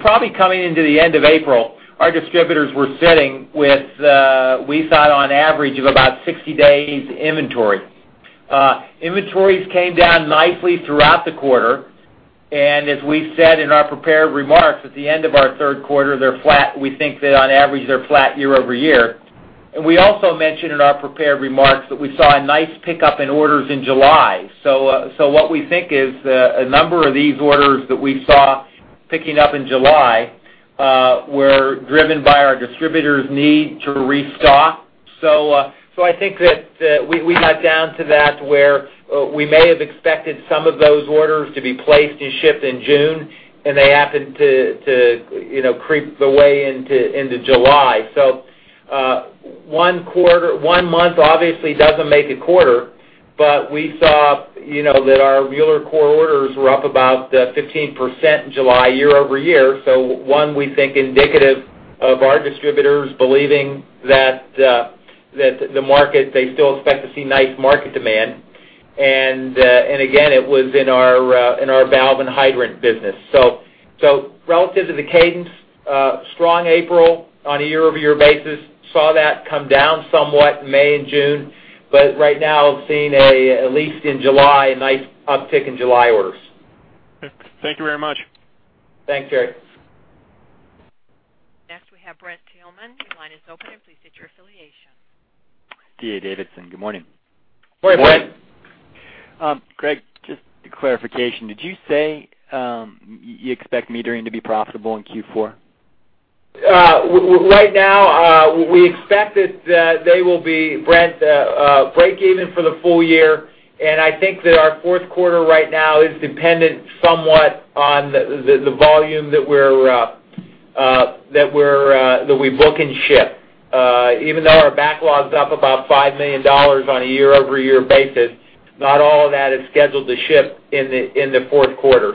Probably coming into the end of April, our distributors were sitting with, we thought, on average of about 60 days inventory. Inventories came down nicely throughout the quarter, and as we said in our prepared remarks, at the end of our third quarter, they're flat. We think that on average, they're flat year-over-year. We also mentioned in our prepared remarks that we saw a nice pickup in orders in July. What we think is a number of these orders that we saw picking up in July were driven by our distributors' need to restock. I think that we got down to that, where we may have expected some of those orders to be placed and shipped in June, and they happened to creep the way into July. One month obviously doesn't make a quarter, we saw that our Mueller Co orders were up about 15% in July, year-over-year. One, we think indicative of our distributors believing that they still expect to see nice market demand. Again, it was in our valve and hydrant business. Relative to the cadence, strong April on a year-over-year basis, saw that come down somewhat in May and June. Right now, seeing at least in July, a nice uptick in July orders. Okay. Thank you very much. Thanks, Jerry. Next, we have Brent Thielman. Your line is open, and please state your affiliation. D.A. Davidson, good morning. Morning, Brent. Good morning. Greg, just a clarification, did you say you expect Metering to be profitable in Q4? Right now, we expect that they will be, Brent, breakeven for the full year, and I think that our fourth quarter right now is dependent somewhat on the volume that we book and ship. Even though our backlog's up about $5 million on a year-over-year basis, not all of that is scheduled to ship in the fourth quarter.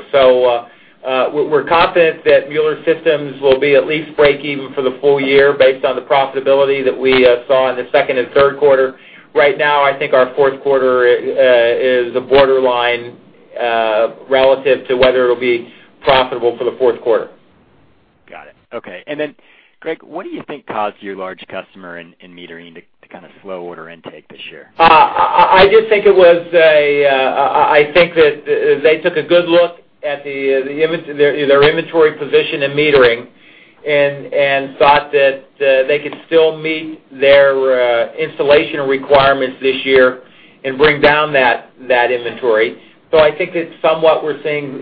We're confident that Mueller Systems will be at least breakeven for the full year based on the profitability that we saw in the second and third quarter. Right now, I think our fourth quarter is a borderline relative to whether it'll be profitable for the fourth quarter. Got it. Okay. Greg, what do you think caused your large customer in Metering to kind of slow order intake this year? I just think that they took a good look at their inventory position in Metering and thought that they could still meet their installation requirements this year and bring down that inventory. I think that somewhat we're seeing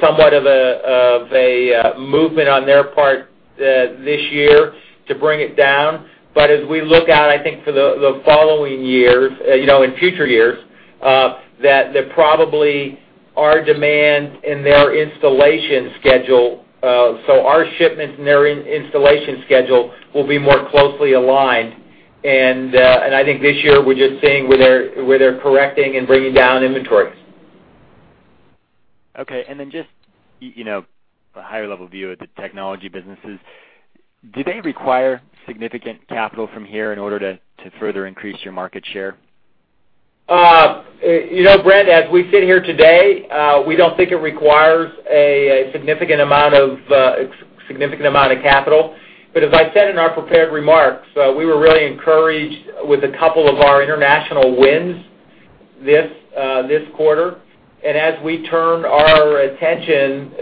somewhat of a movement on their part this year to bring it down. As we look out, I think for the following years, in future years, that probably our demand and their installation schedule, so our shipments and their installation schedule will be more closely aligned. I think this year we're just seeing where they're correcting and bringing down inventories. Okay. Just a higher level view of the technology businesses. Do they require significant capital from here in order to further increase your market share? Brent, as we sit here today, we don't think it requires a significant amount of capital. As I said in our prepared remarks, we were really encouraged with a couple of our international wins this quarter. As we turn our attention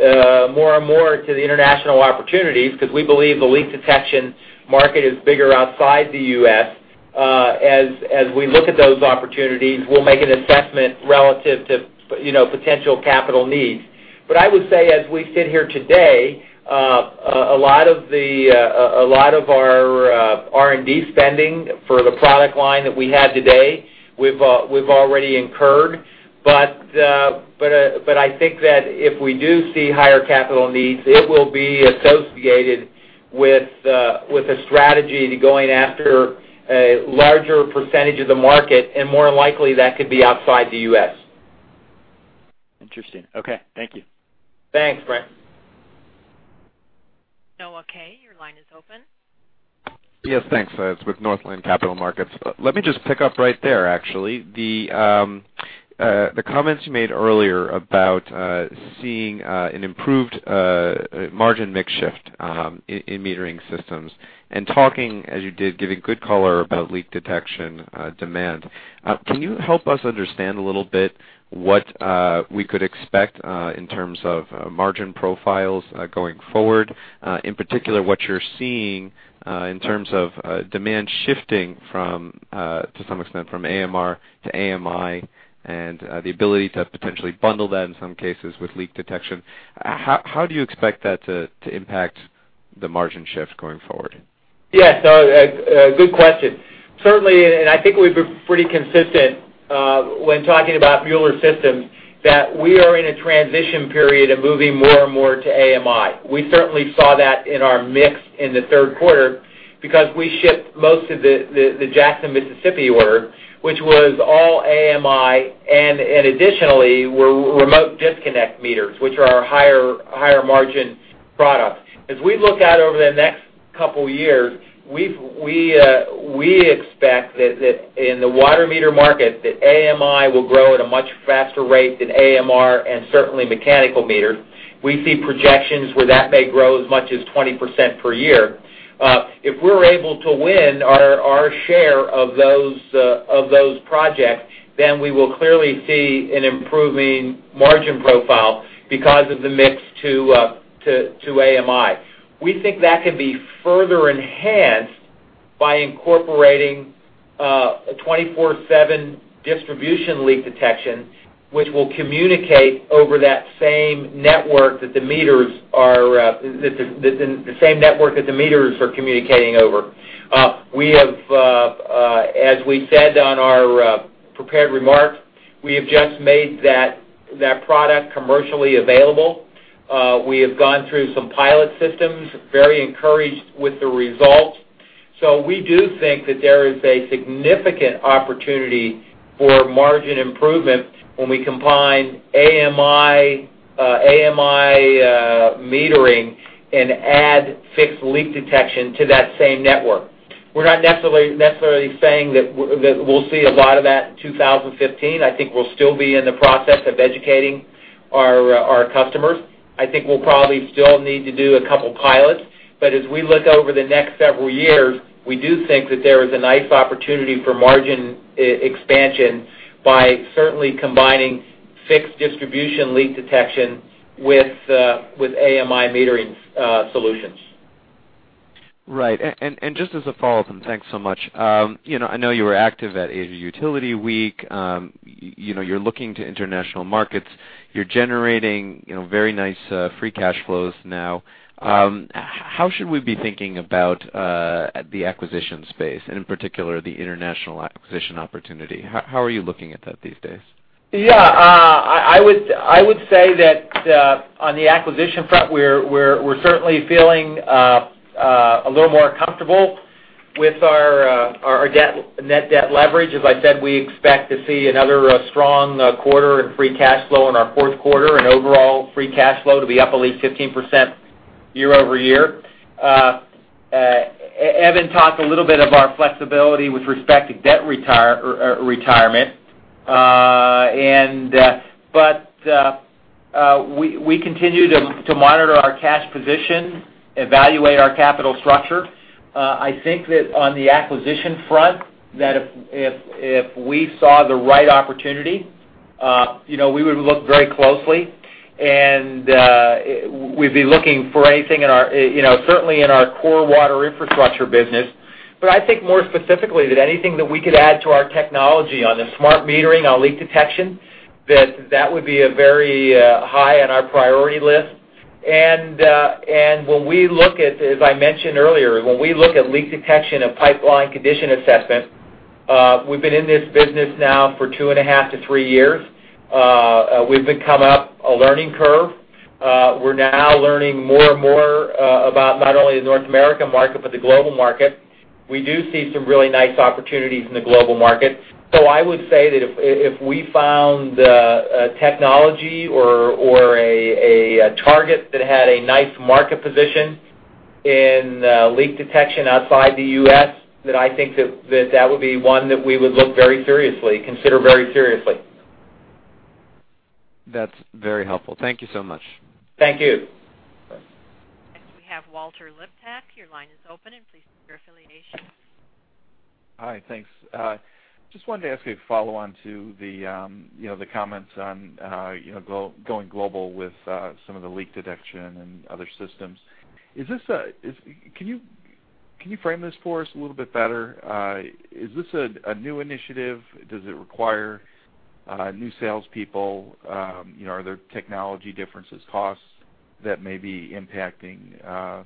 more and more to the international opportunities, because we believe the leak detection market is bigger outside the U.S., as we look at those opportunities, we'll make an assessment relative to potential capital needs. I would say as we sit here today, a lot of our R&D spending for the product line that we have today, we've already incurred. I think that if we do see higher capital needs, it will be associated with a strategy to going after a larger percentage of the market, and more likely that could be outside the U.S. Interesting. Okay. Thank you. Thanks, Brent. Noah Kaye, your line is open. Yes, thanks. It's with Northland Capital Markets. Let me just pick up right there, actually. The comments you made earlier about seeing an improved margin mix shift in metering systems and talking as you did, giving good color about leak detection demand. Can you help us understand a little bit what we could expect in terms of margin profiles going forward? In particular, what you're seeing in terms of demand shifting from, to some extent, from AMR to AMI and the ability to potentially bundle that in some cases with leak detection. How do you expect that to impact the margin shift going forward? Yeah. Noel, good question. Certainly, I think we've been pretty consistent when talking about Mueller Systems, that we are in a transition period of moving more and more to AMI. We certainly saw that in our mix in the third quarter because we shipped most of the Jackson, Mississippi order. Which was all AMI, additionally, were remote disconnect meters, which are our higher margin product. As we look out over the next couple of years, we expect that in the water meter market, that AMI will grow at a much faster rate than AMR and certainly mechanical meters. We see projections where that may grow as much as 20% per year. If we're able to win our share of those projects, we will clearly see an improving margin profile because of the mix to AMI. We think that could be further enhanced by incorporating a 24/7 distribution leak detection, which will communicate over the same network that the meters are communicating over. As we said on our prepared remarks, we have just made that product commercially available. We have gone through some pilot systems, very encouraged with the results. We do think that there is a significant opportunity for margin improvement when we combine AMI metering and add fixed leak detection to that same network. We're not necessarily saying that we'll see a lot of that in 2015. I think we'll still be in the process of educating our customers. I think we'll probably still need to do a couple of pilots. As we look over the next several years, we do think that there is a nice opportunity for margin expansion by certainly combining fixed distribution leak detection with AMI metering solutions. Right. Just as a follow-up, thanks so much. I know you were active at Utility Week. You're looking to international markets. You're generating very nice free cash flows now. How should we be thinking about the acquisition space and in particular, the international acquisition opportunity? How are you looking at that these days? Yeah. I would say that on the acquisition front, we're certainly feeling a little more comfortable with our net debt leverage. As I said, we expect to see another strong quarter in free cash flow in our fourth quarter and overall free cash flow to be up at least 15% year-over-year. Evan talked a little bit about flexibility with respect to debt retirement. We continue to monitor our cash position, evaluate our capital structure. I think that on the acquisition front, that if we saw the right opportunity, we would look very closely and we'd be looking for anything, certainly in our core water infrastructure business. I think more specifically, that anything that we could add to our technology on the smart metering, on leak detection, that that would be very high on our priority list. As I mentioned earlier, when we look at leak detection and pipeline condition assessment, we've been in this business now for two and a half to three years. We've come up a learning curve. We're now learning more and more about not only the North American market, but the global market. We do see some really nice opportunities in the global market. I would say that if we found a technology or a target that had a nice market position in leak detection outside the U.S., that I think that would be one that we would look very seriously, consider very seriously. That's very helpful. Thank you so much. Thank you. Next, we have Walt Liptak. Your line is open. Please state your affiliation. Hi, thanks. Just wanted to ask a follow-on to the comments on going global with some of the leak detection and other systems. Can you frame this for us a little bit better? Is this a new initiative? Does it require new salespeople? Are there technology differences, costs that may be impacting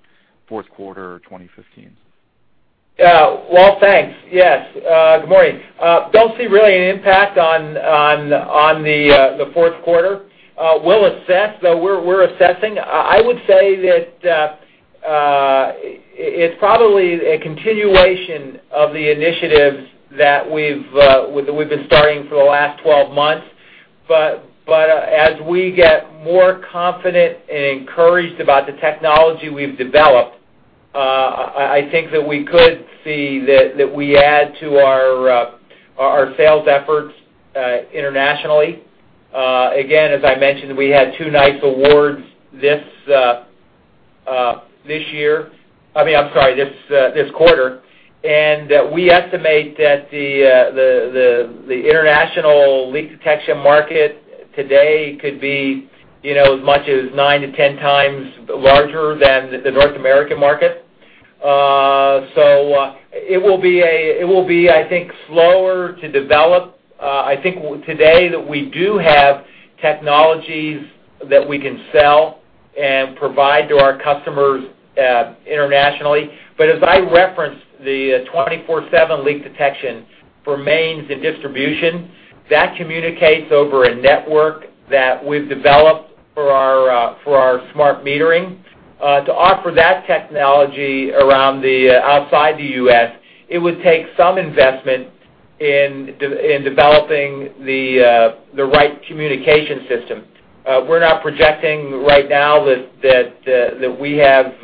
fourth quarter 2015? Walt, thanks. Yes. Good morning. Don't see really an impact on the fourth quarter. We're assessing. I would say that it's probably a continuation of the initiatives that we've been starting for the last 12 months. As we get more confident and encouraged about the technology we've developed, I think that we could see that we add to our sales efforts internationally. Again, as I mentioned, we had two nice awards this quarter. We estimate that the international leak detection market today could be as much as 9 to 10 times larger than the North American market. It will be, I think, slower to develop. I think today that we do have technologies that we can sell and provide to our customers internationally. As I referenced, the 24/7 leak detection for mains and distribution, that communicates over a network that we've developed for our smart metering. To offer that technology outside the U.S., it would take some investment in developing the right communication system. We're not projecting right now that we have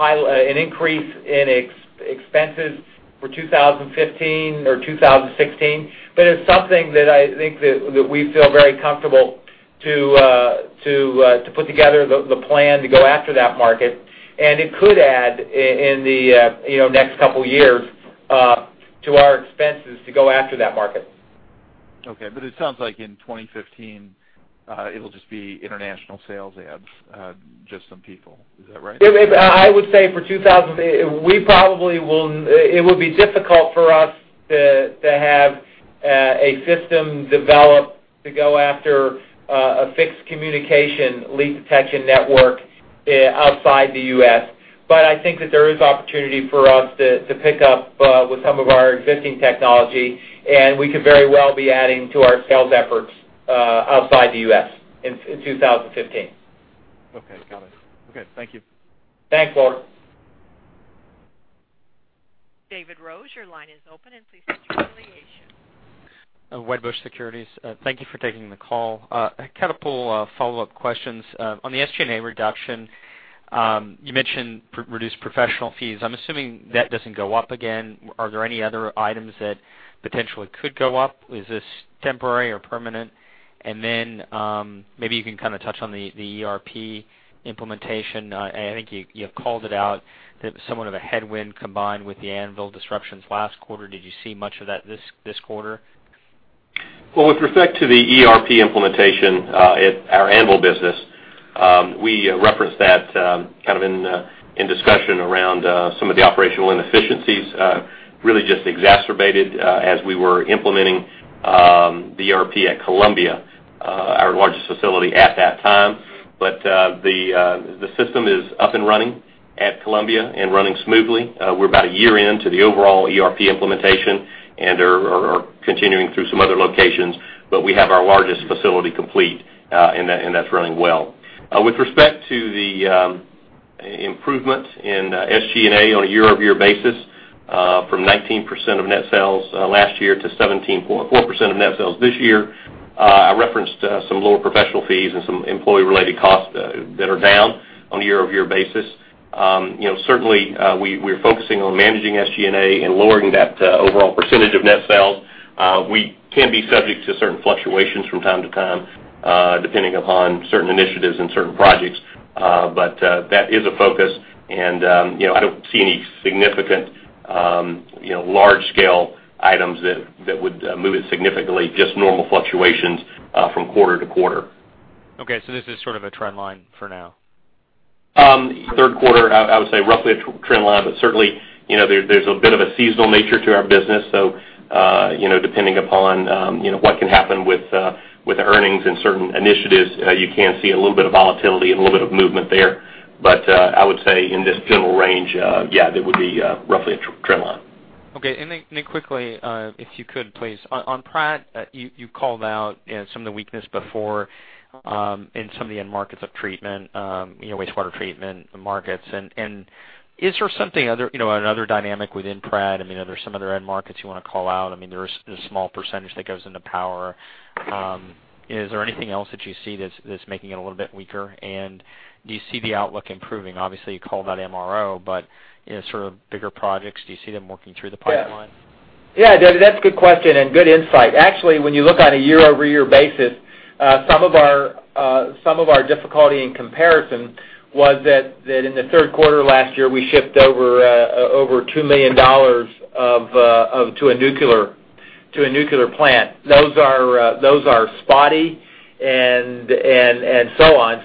an increase in expenses for 2015 or 2016. It's something that I think that we feel very comfortable to put together the plan to go after that market, and it could add in the next couple of years to our expenses to go after that market. Okay, it sounds like in 2015, it'll just be international sales adds, just some people. Is that right? I would say it would be difficult for us to have a system developed to go after a fixed communication leak detection network outside the U.S. I think that there is opportunity for us to pick up with some of our existing technology, and we could very well be adding to our sales efforts outside the U.S. in 2015. Okay, got it. Okay, thank you. Thanks, Walt. David Rose, your line is open. Please state your affiliation. Wedbush Securities. Thank you for taking the call. I had a couple of follow-up questions. On the SG&A reduction, you mentioned reduced professional fees. I'm assuming that doesn't go up again. Are there any other items that potentially could go up? Is this temporary or permanent? Maybe you can touch on the ERP implementation. I think you have called it out that somewhat of a headwind combined with the Anvil disruptions last quarter. Did you see much of that this quarter? Well, with respect to the ERP implementation at our Anvil business, we referenced that in discussion around some of the operational inefficiencies, really just exacerbated as we were implementing the ERP at Columbia, our largest facility at that time. The system is up and running at Columbia and running smoothly. We're about a year in to the overall ERP implementation and are continuing through some other locations, but we have our largest facility complete, and that's running well. With respect to the improvement in SG&A on a year-over-year basis, from 19% of net sales last year to 17.4% of net sales this year, I referenced some lower professional fees and some employee-related costs that are down on a year-over-year basis. Certainly, we're focusing on managing SG&A and lowering that overall percentage of net sales. We can be subject to certain fluctuations from time to time, depending upon certain initiatives and certain projects. That is a focus, and I don't see any significant large-scale items that would move it significantly, just normal fluctuations from quarter-to-quarter. This is sort of a trend line for now. Third quarter, I would say roughly a trend line, certainly, there's a bit of a seasonal nature to our business. Depending upon what can happen with earnings and certain initiatives, you can see a little bit of volatility and a little bit of movement there. I would say in this general range, yeah, that would be roughly a trend line. Quickly, if you could, please. On Pratt, you called out some of the weakness before in some of the end markets of treatment, wastewater treatment markets. Is there another dynamic within Pratt? Are there some other end markets you want to call out? There's a small percentage that goes into power. Is there anything else that you see that's making it a little bit weaker? Do you see the outlook improving? Obviously, you called out MRO, but sort of bigger projects, do you see them working through the pipeline? Yeah, David, that's a good question and good insight. Actually, when you look on a year-over-year basis, some of our difficulty in comparison was that in the third quarter last year, we shipped over $2 million to a nuclear plant. Those are spotty, and so on.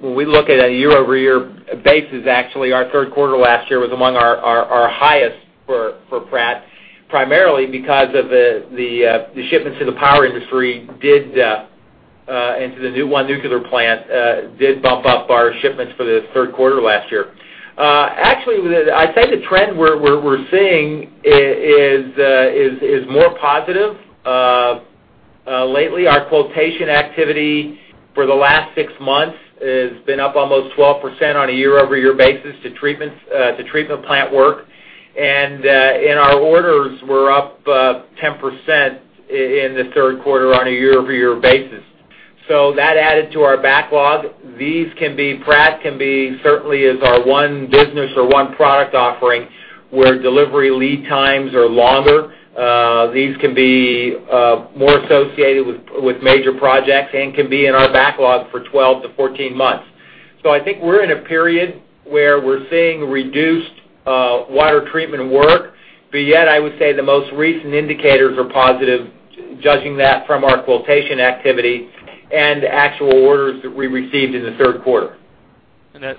When we look at a year-over-year basis, actually, our third quarter last year was among our highest for Pratt, primarily because of the shipments to the power industry, and to the new one nuclear plant, did bump up our shipments for the third quarter last year. Actually, I'd say the trend we're seeing is more positive. Lately, our quotation activity for the last six months has been up almost 12% on a year-over-year basis to treatment plant work. Our orders were up 10% in the third quarter on a year-over-year basis. That added to our backlog. Pratt certainly is our one business or one product offering where delivery lead times are longer. These can be more associated with major projects and can be in our backlog for 12 to 14 months. I think we're in a period where we're seeing reduced water treatment work, I would say the most recent indicators are positive, judging that from our quotation activity and the actual orders that we received in the third quarter. That's-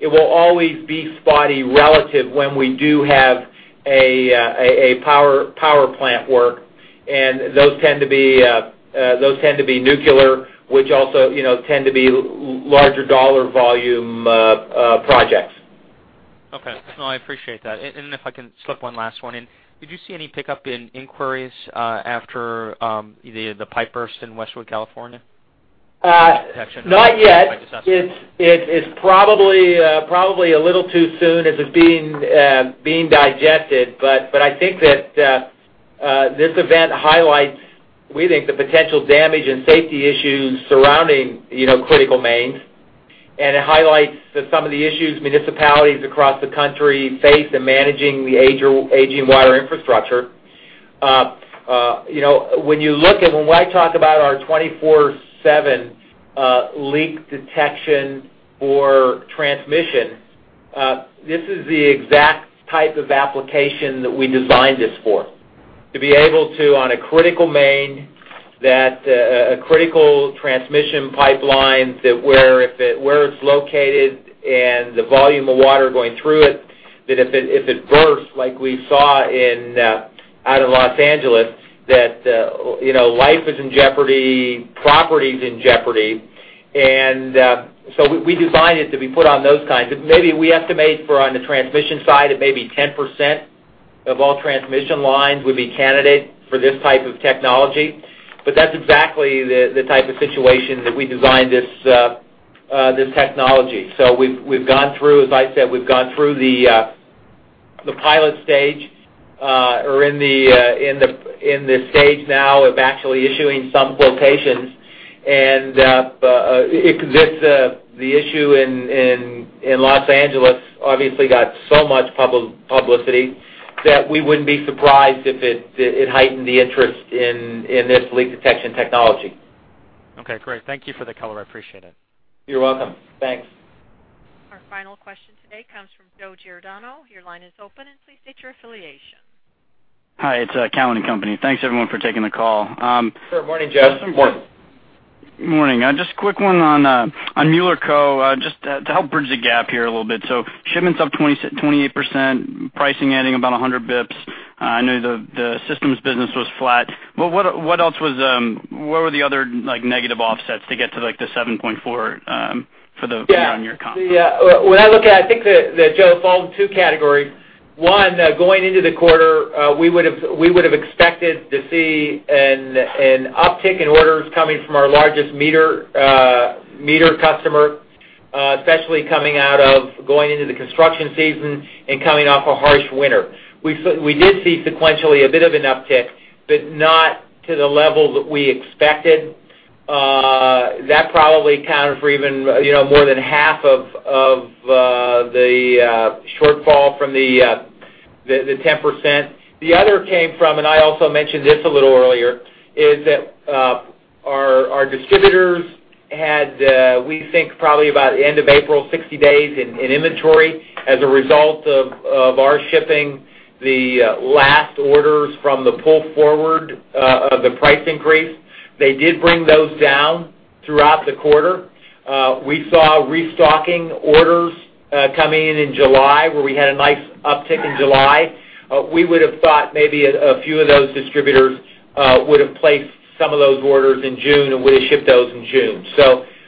It will always be spotty relative when we do have a power plant work, and those tend to be nuclear, which also tend to be larger dollar volume projects. Okay. No, I appreciate that. If I can slip one last one in. Did you see any pickup in inquiries after the pipe burst in Westwood, California? Not yet. It's probably a little too soon. It's being digested, I think that this event highlights, we think, the potential damage and safety issues surrounding critical mains, and it highlights some of the issues municipalities across the country face in managing the aging water infrastructure. When I talk about our 24/7 leak detection for transmission, this is the exact type of application that we designed this for. To be able to, on a critical main, a critical transmission pipeline, that where it's located and the volume of water going through it, that if it bursts like we saw out in Los Angeles, that life is in jeopardy, property's in jeopardy. We designed it to be put on those kinds. Maybe we estimate for on the transmission side, it may be 10% of all transmission lines would be candidate for this type of technology. That's exactly the type of situation that we designed this technology. As I said, we've gone through the pilot stage. We're in the stage now of actually issuing some quotations. The issue in Los Angeles obviously got so much publicity that we wouldn't be surprised if it heightened the interest in this leak detection technology. Okay, great. Thank you for the color. I appreciate it. You're welcome. Thanks. Our final question today comes from Joseph Giordano. Your line is open, and please state your affiliation. Hi, it's Cowen and Company. Thanks, everyone, for taking the call. Sure. Morning, Joe. Morning. Just a quick one on Mueller Co, just to help bridge the gap here a little bit. Shipments up 28%, pricing adding about 100 basis points. I know the systems business was flat. What were the other negative offsets to get to the 7.4 for the- Yeah year-on-year comp? Yeah. When I look at it, I think that, Joe, it falls in two categories. One, going into the quarter, we would have expected to see an uptick in orders coming from our largest meter customer, especially coming out of going into the construction season and coming off a harsh winter. We did see sequentially a bit of an uptick, but not to the level that we expected. That probably accounted for even more than half of the shortfall from the 10%. The other came from, and I also mentioned this a little earlier, is that our distributors had, we think, probably about end of April, 60 days in inventory as a result of our shipping the last orders from the pull forward of the price increase. They did bring those down throughout the quarter. We saw restocking orders coming in in July, where we had a nice uptick in July. We would have thought maybe a few of those distributors would have placed some of those orders in June, and we'd have shipped those in June.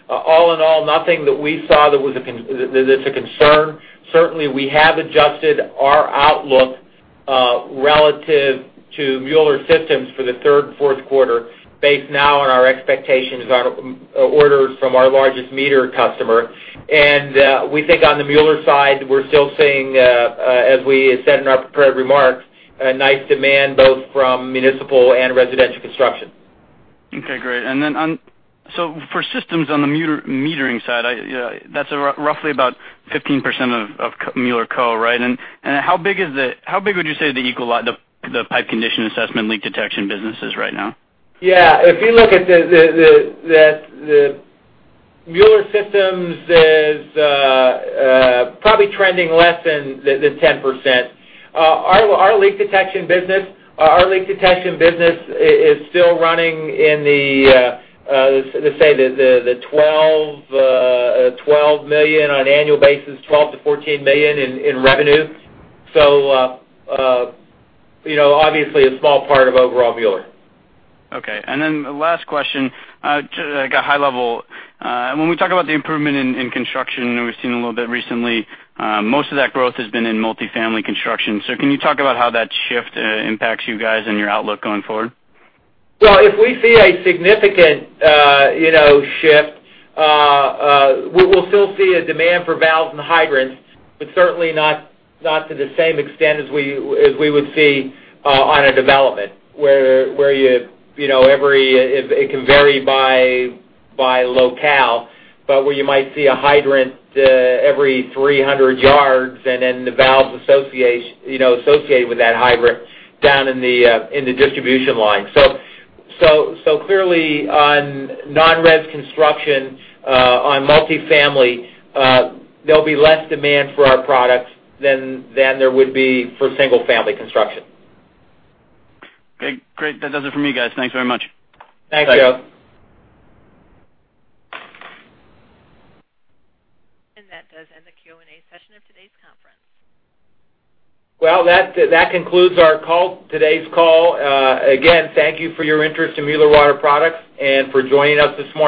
All in all, nothing that we saw that is a concern. Certainly, we have adjusted our outlook relative to Mueller Systems for the third and fourth quarter, based now on our expectations on orders from our largest meter customer. We think on the Mueller side, we're still seeing, as we said in our prepared remarks, a nice demand both from municipal and residential construction. Okay, great. For systems on the metering side, that's roughly about 15% of Mueller Co. How big would you say the pipe condition assessment, leak detection business is right now? Yeah. If you look at Mueller Systems is probably trending less than 10%. Our leak detection business is still running in the, let's say, the $12 million on an annual basis, $12 million-$14 million in revenue. Obviously, a small part of overall Mueller. Okay, last question, like a high level. When we talk about the improvement in construction, we've seen a little bit recently, most of that growth has been in multi-family construction. Can you talk about how that shift impacts you guys and your outlook going forward? Well, if we see a significant shift, we'll still see a demand for valves and hydrants, but certainly not to the same extent as we would see on a development where it can vary by locale, but where you might see a hydrant every 300 yards, and the valves associated with that hydrant down in the distribution line. Clearly on non-res construction, on multi-family, there'll be less demand for our products than there would be for single-family construction. Great. That does it for me, guys. Thanks very much. Thanks, Joe. That does end the Q&A session of today's conference. Well, that concludes our call, today's call. Again, thank you for your interest in Mueller Water Products and for joining us this morning.